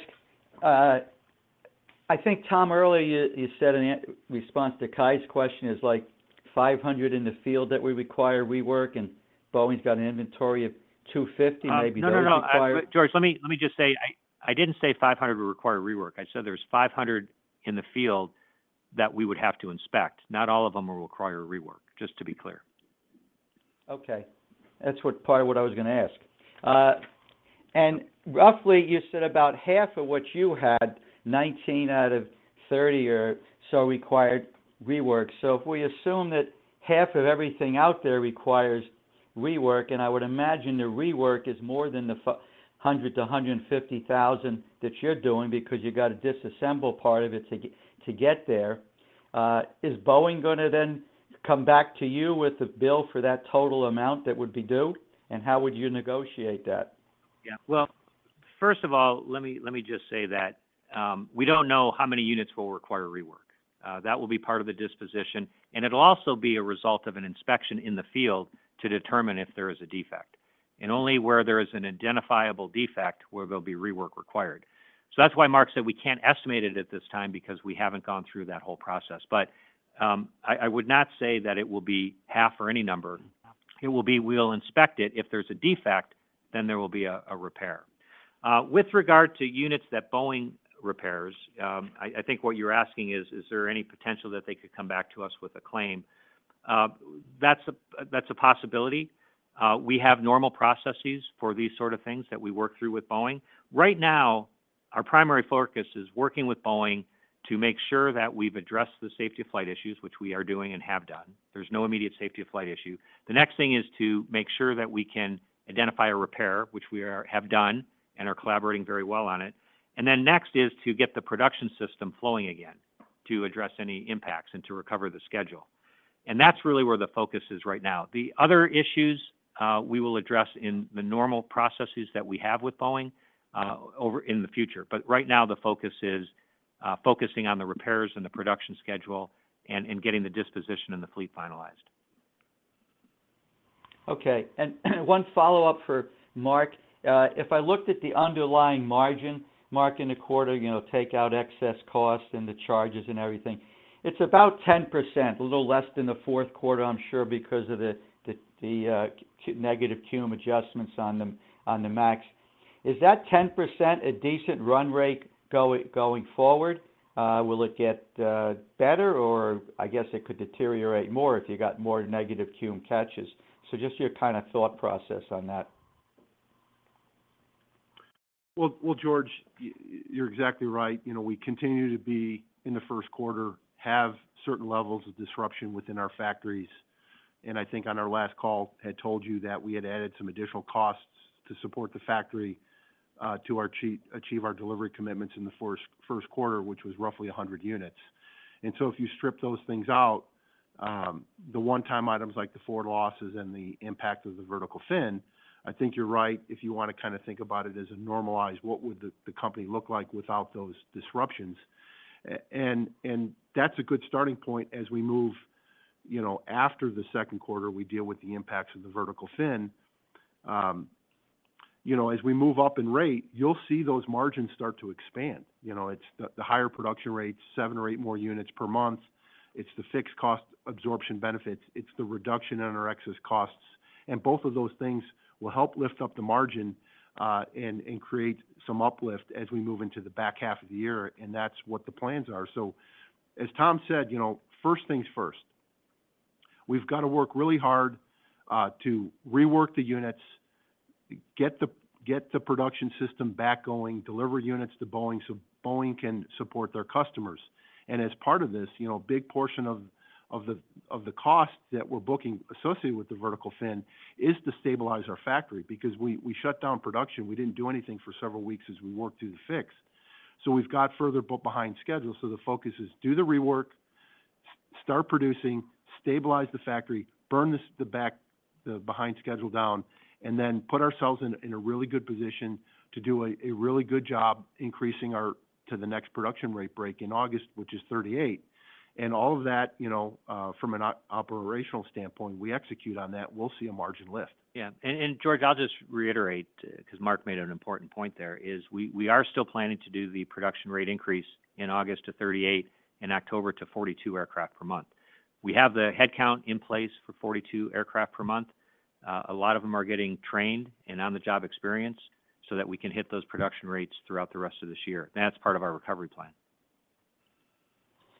I think Tom earlier you said in a response to Cai's question is, like, 500 in the field that we require rework, and Boeing's got an inventory of 250 maybe that. No, no. George, let me just say, I didn't say 500 would require rework. I said there's 500 in the field that we would have to inspect. Not all of them will require rework, just to be clear. That's what, part of what I was gonna ask. Roughly you said about half of what you had, 19 out of 30 or so required rework. If we assume that half of everything out there requires rework, and I would imagine the rework is more than the $100,000-$150,000 that you're doing because you got to disassemble part of it to get there, is Boeing gonna then come back to you with the bill for that total amount that would be due? How would you negotiate that? Well, first of all, let me just say that we don't know how many units will require rework. That will be part of the disposition, and it'll also be a result of an inspection in the field to determine if there is a defect, and only where there is an identifiable defect where there'll be rework required. That's why Mark said we can't estimate it at this time because we haven't gone through that whole process. I would not say that it will be half or any number. It will be, we'll inspect it. If there's a defect, then there will be a repair. With regard to units that Boeing repairs, I think what you're asking is there any potential that they could come back to us with a claim? That's a possibility. We have normal processes for these sort of things that we work through with Boeing. Right now, our primary focus is working with Boeing to make sure that we've addressed the safety of flight issues, which we are doing and have done. There's no immediate safety of flight issue. The next thing is to make sure that we can identify a repair, which we have done and are collaborating very well on it. Then next is to get the production system flowing again to address any impacts and to recover the schedule. That's really where the focus is right now. The other issues, we will address in the normal processes that we have with Boeing, in the future. Right now the focus is focusing on the repairs and the production schedule and getting the disposition and the fleet finalized. Okay. One follow-up for Mark. If I looked at the underlying margin, Mark, in the quarter, you know, take out excess costs and the charges and everything, it's about 10%, a little less than the fourth quarter, I'm sure because of the negative QM adjustments on the Max. Is that 10% a decent run rate going forward? Will it get better or I guess it could deteriorate more if you got more negative QM catches? Just your kind of thought process on that. Well, George, you're exactly right. You know, we continue to be in the first quarter, have certain levels of disruption within our factories. I think on our last call had told you that we had added some additional costs to support the factory to achieve our delivery commitments in the first quarter, which was roughly 100 units. If you strip those things out, the one-time items like the forward losses and the impact of the vertical fin, I think you're right if you wanna kind of think about it as a normalized, what would the company look like without those disruptions. That's a good starting point as we move, you know, after the second quarter, we deal with the impacts of the vertical fin. You know, as we move up in rate, you'll see those margins start to expand. You know, it's the higher production rates, seven or eight more units per month. It's the fixed cost absorption benefits. It's the reduction in our excess costs. Both of those things will help lift up the margin and create some uplift as we move into the back half of the year, and that's what the plans are. As Tom said, you know, first things first. We've got to work really hard to rework the units, get the production system back going, deliver units to Boeing so Boeing can support their customers. As part of this, you know, a big portion of Of the cost that we're booking associated with the vertical fin is to stabilize our factory, because we shut down production. We didn't do anything for several weeks as we worked through the fix. We've got further behind schedule, so the focus is do the rework, start producing, stabilize the factory, burn this, the back, the behind schedule down, and then put ourselves in a really good position to do a really good job increasing our to the next production rate break in August, which is 38. All of that, you know, from an operational standpoint, we execute on that, we'll see a margin lift. Yeah. George, I'll just reiterate, 'cause Mark made an important point there, is we are still planning to do the production rate increase in August to 38 and October to 42 aircraft per month. We have the headcount in place for 42 aircraft per month. A lot of them are getting trained and on-the-job experience so that we can hit those production rates throughout the rest of this year. That's part of our recovery plan.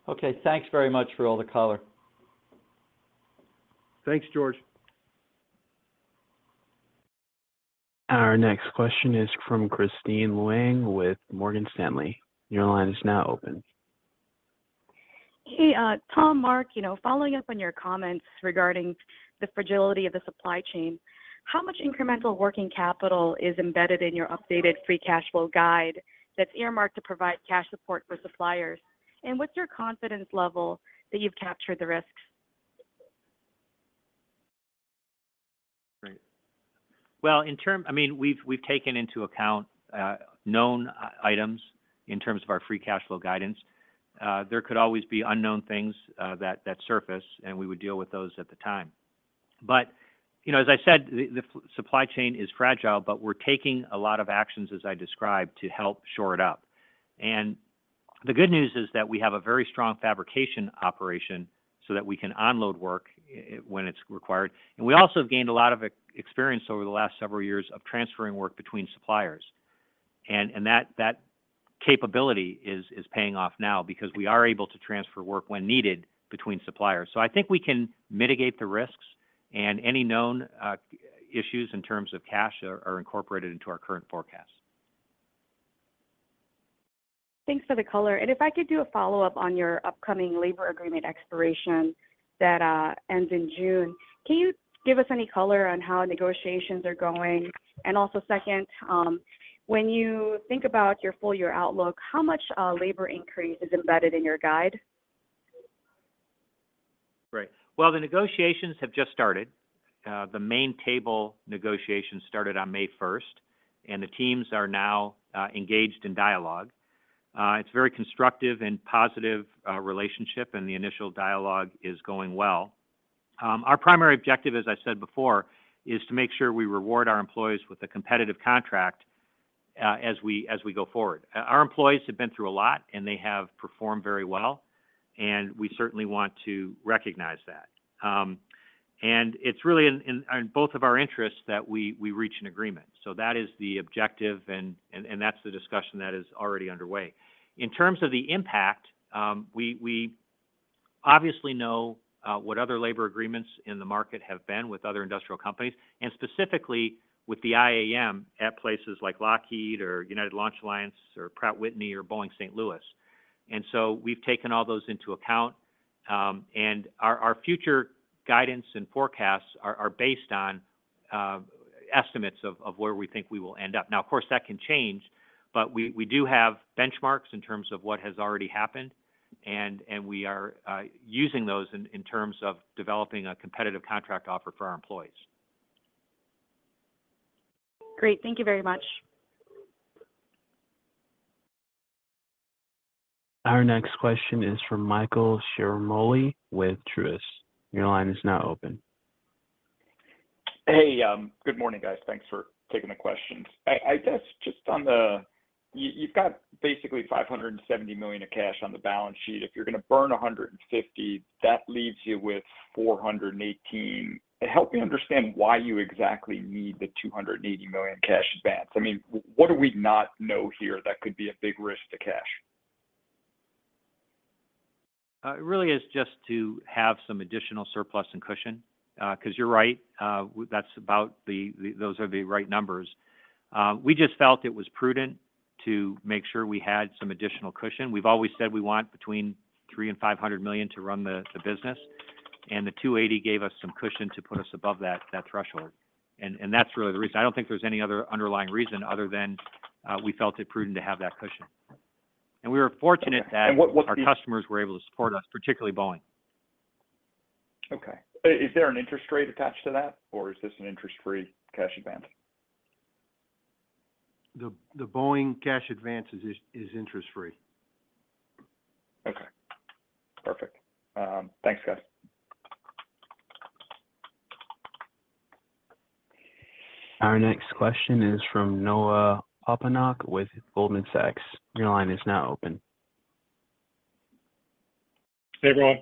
Okay. Thanks very much for all the color. Thanks, George. Our next question is from Kristine Liwag with Morgan Stanley. Your line is now open. Hey, Tom, Mark, you know, following up on your comments regarding the fragility of the supply chain, how much incremental working capital is embedded in your updated Free Cash Flow guide that's earmarked to provide cash support for suppliers? What's your confidence level that you've captured the risks? Great. Well, I mean, we've taken into account known items in terms of our Free Cash Flow guidance. There could always be unknown things that surface, we would deal with those at the time. You know, as I said, the supply chain is fragile, we're taking a lot of actions, as I described, to help shore it up. The good news is that we have a very strong fabrication operation so that we can onload work when it's required. We also have gained a lot of experience over the last several years of transferring work between suppliers. That capability is paying off now because we are able to transfer work when needed between suppliers. I think we can mitigate the risks, and any known issues in terms of cash are incorporated into our current forecast. Thanks for the color. If I could do a follow-up on your upcoming labor agreement expiration that ends in June. Can you give us any color on how negotiations are going? Also, second, when you think about your full year outlook, how much labor increase is embedded in your guide? Right. Well, the negotiations have just started. The main table negotiations started on May 1st, and the teams are now engaged in dialogue. It's very constructive and positive relationship, and the initial dialogue is going well. Our primary objective, as I said before, is to make sure we reward our employees with a competitive contract, as we go forward. Our employees have been through a lot, and they have performed very well, and we certainly want to recognize that. It's really in both of our interests that we reach an agreement. That is the objective and that's the discussion that is already underway. In terms of the impact, we obviously know what other labor agreements in the market have been with other industrial companies, and specifically with the IAM at places like Lockheed or United Launch Alliance or Pratt & Whitney or Boeing St. Louis. We've taken all those into account, and our future guidance and forecasts are based on estimates of where we think we will end up. Now, of course, that can change, but we do have benchmarks in terms of what has already happened and we are using those in terms of developing a competitive contract offer for our employees. Great. Thank you very much. Our next question is from Michael Ciarmoli with Truist. Your line is now open. Hey, good morning, guys. Thanks for taking the questions. I guess just on the. You've got basically $570 million of cash on the balance sheet. If you're gonna burn $150, that leaves you with $418. Help me understand why you exactly need the $280 million cash advance. I mean, what do we not know here that could be a big risk to cash? It really is just to have some additional surplus and cushion. 'Cause you're right, that's about the, those are the right numbers. We just felt it was prudent to make sure we had some additional cushion. We've always said we want between $300 million and $500 million to run the business, and the $280 gave us some cushion to put us above that threshold. That's really the reason. I don't think there's any other underlying reason other than, we felt it prudent to have that cushion. We were fortunate that. what's the- Our customers were able to support us, particularly Boeing. Okay. Is there an interest rate attached to that, or is this an interest-free cash advance? The Boeing cash advance is interest free. Okay. Perfect. Thanks, guys. Our next question is from Noah Poponak with Goldman Sachs. Your line is now open. Hey, everyone.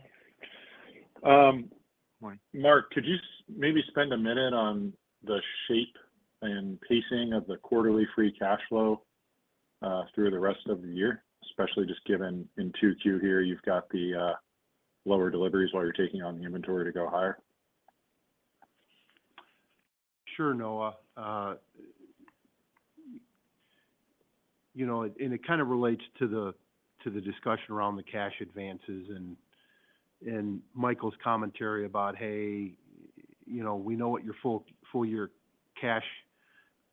Morning. Mark, could you maybe spend a minute on the shape and pacing of the quarterly Free Cash Flow through the rest of the year? Especially just given in 2Q here, you've got the lower deliveries while you're taking on the inventory to go higher. Sure, Noah. You know, it kind of relates to the discussion around the cash advances and Michael Ciarmoli's commentary about, hey, you know, we know what your full year cash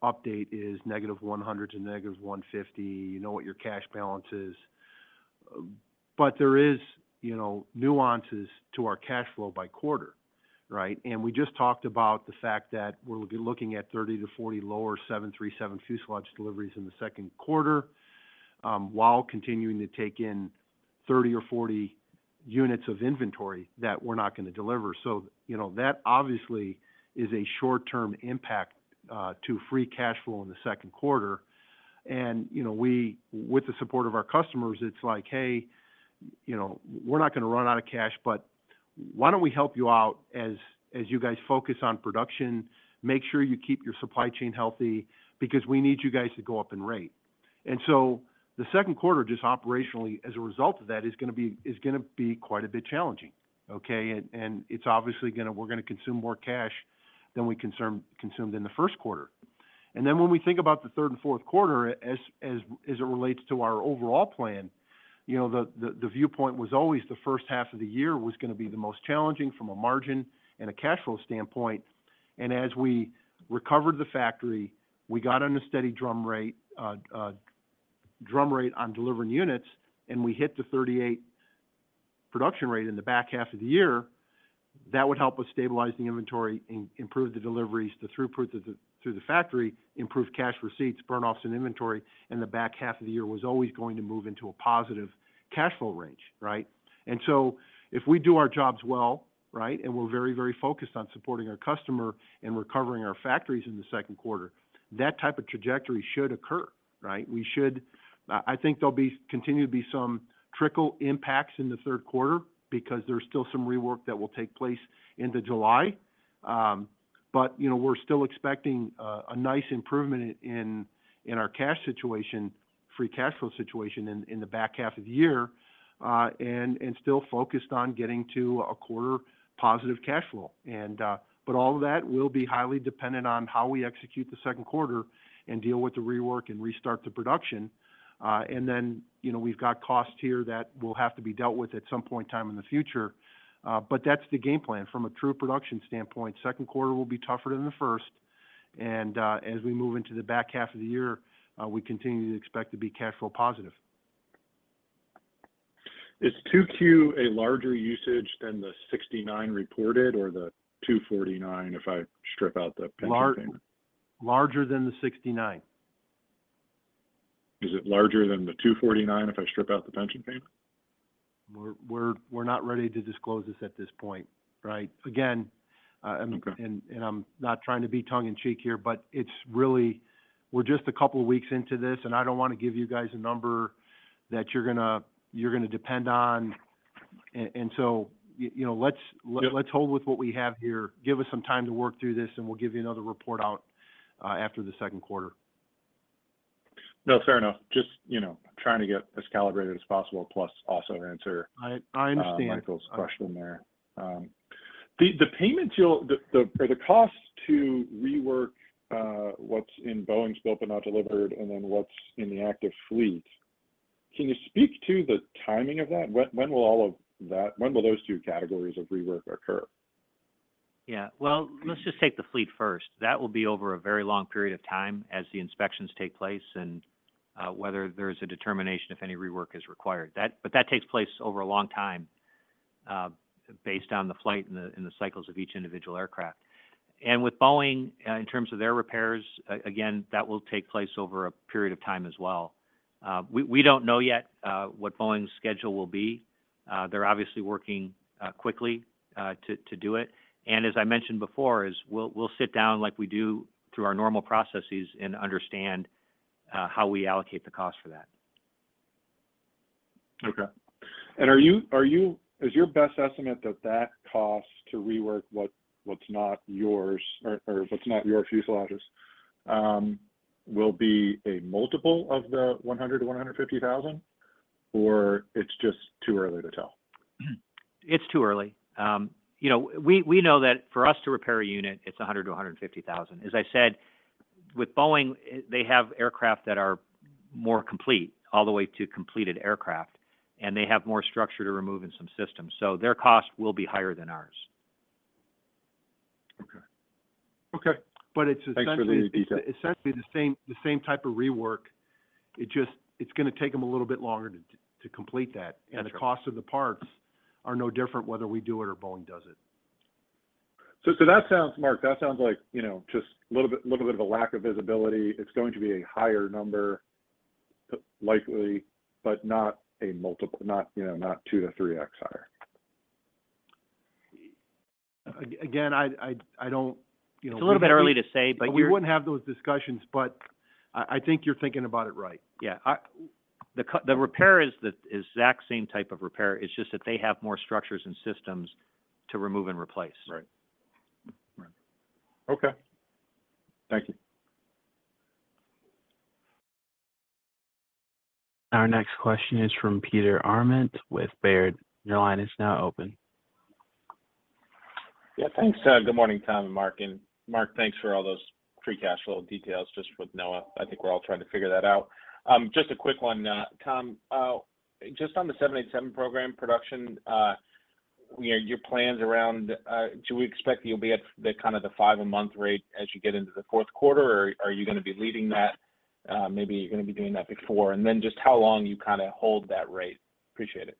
update is -$100 million to -$150 million. You know what your cash balance is. There is, you know, nuances to our cash flow by quarter, right? We just talked about the fact that we'll be looking at 30-40 lower 737 fuselage deliveries in the second quarter, while continuing to take in 30 or 40 units of inventory that we're not gonna deliver. You know, that obviously is a short-term impact to Free Cash Flow in the second quarter. You know, we with the support of our customers, it's like, "Hey, you know, we're not gonna run out of cash, but why don't we help you out as you guys focus on production, make sure you keep your supply chain healthy, because we need you guys to go up in rate." The second quarter, just operationally as a result of that, is gonna be quite a bit challenging, okay? It's obviously gonna we're gonna consume more cash than we consumed in the first quarter. When we think about the third and fourth quarter as it relates to our overall plan, you know, the viewpoint was always the first half of the year was gonna be the most challenging from a margin and a cash flow standpoint. As we recovered the factory, we got on a steady drum rate on delivering units, and we hit the 38 production rate in the back half of the year. That would help us stabilize the inventory, improve the deliveries, the throughput through the factory, improve cash receipts, burnoffs in inventory, and the back half of the year was always going to move into a positive cash flow range, right. If we do our jobs well, right, and we're very, very focused on supporting our customer and recovering our factories in the second quarter, that type of trajectory should occur, right. We should. I think there'll continue to be some trickle impacts in the third quarter because there's still some rework that will take place into July. You know, we're still expecting a nice improvement in our cash situation, Free Cash Flow situation in the back half of the year, and still focused on getting to a quarter positive cash flow. All of that will be highly dependent on how we execute the second quarter and deal with the rework and restart to production. You know, we've got costs here that will have to be dealt with at some point in time in the future. That's the game plan. From a true production standpoint, second quarter will be tougher than the first, as we move into the back half of the year, we continue to expect to be cash flow positive. Is 2Q a larger usage than the $69 reported or the $249 if I strip out the pension payment? larger than the 69. Is it larger than the $249 if I strip out the pension payment? We're not ready to disclose this at this point, right? Again, Okay I'm not trying to be tongue in cheek here, but we're just a couple weeks into this, and I don't wanna give you guys a number that you're gonna depend on. You know. Yeah... let's hold with what we have here. Give us some time to work through this, and we'll give you another report out, after the second quarter. Fair enough. Just, you know, trying to get as calibrated as possible, plus also answer. I understand. ...Michael's question there. The cost to rework what's in Boeing's built but not delivered and then what's in the active fleet, can you speak to the timing of that? When will all of that? When will those two categories of rework occur? Let's just take the fleet first. That will be over a very long period of time as the inspections take place and whether there's a determination if any rework is required. But that takes place over a long time based on the flight and the cycles of each individual aircraft. With Boeing, in terms of their repairs, again, that will take place over a period of time as well. We don't know yet what Boeing's schedule will be. They're obviously working quickly to do it. As I mentioned before is we'll sit down like we do through our normal processes and understand how we allocate the cost for that. Okay. Is your best estimate that that cost to rework what's not yours or what's not your fuselages, will be a multiple of the $100,000-$150,000, or it's just too early to tell? It's too early. You know, we know that for us to repair a unit, it's $100,000-$150,000. As I said, with Boeing, they have aircraft that are more complete, all the way to completed aircraft, and they have more structure to remove in some systems, so their cost will be higher than ours. Okay. Okay. it's Thanks for the detail.... it's essentially the same, the same type of rework. It's gonna take them a little bit longer to complete that. Gotcha. The cost of the parts are no different whether we do it or Boeing does it. That sounds... Mark, that sounds like, you know, just little bit of a lack of visibility. It's going to be a higher number likely, but not a multiple, not, you know, not 2x-3x higher. Again, I don't, you know. It's a little bit early to say, but you're. We wouldn't have those discussions. I think you're thinking about it right. Yeah. The repair is the exact same type of repair. It's just that they have more structures and systems to remove and replace. Right. Right. Okay. Thank you. Our next question is from Peter Arment with Baird. Your line is now open. Yeah, thanks. Good morning, Tom and Mark. Mark, thanks for all those Free Cash Flow details just with Noah. I think we're all trying to figure that out. Just a quick one, Tom. Just on the 787 program production, you know, your plans around, do we expect you'll be at the kind of the five-a-month rate as you get into the fourth quarter, or are you gonna be leading that? Maybe you're gonna be doing that before. Just how long you kinda hold that rate. Appreciate it.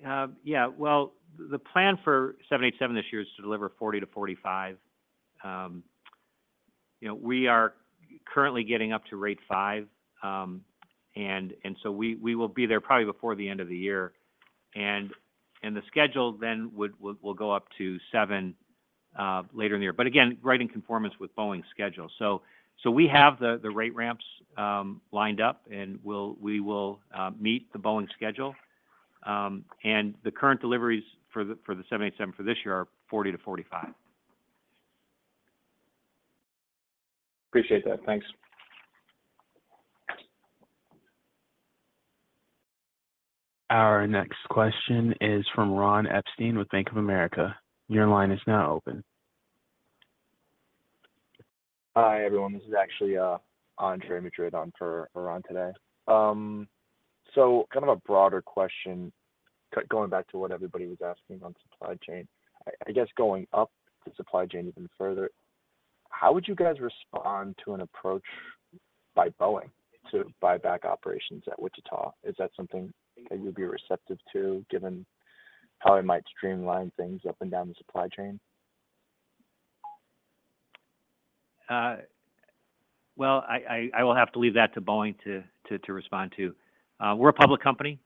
Well, the plan for 787 this year is to deliver 40-45. you know, we are currently getting up to rate five, and so we will be there probably before the end of the year. The schedule then we'll go up to seven later in the year. Again, right in conformance with Boeing's schedule. We have the rate ramps lined up, and we will meet the Boeing schedule. The current deliveries for the 787 for this year are 40-45. Appreciate that. Thanks. Our next question is from Ron Epstein with Bank of America. Your line is now open. Hi, everyone. This is actually, Andre Madrid on for Ron today. Kind of a broader question going back to what everybody was asking on supply chain. I guess going up the supply chain even further, how would you guys respond to an approach by Boeing to buy back operations at Wichita? Is that something that you'd be receptive to, given how it might streamline things up and down the supply chain? Well, I will have to leave that to Boeing to respond to. We're a public company.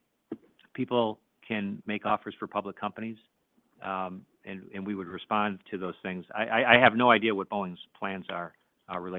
People can make offers for public companies, and we would respond to those things. I have no idea what Boeing's plans are regarding that.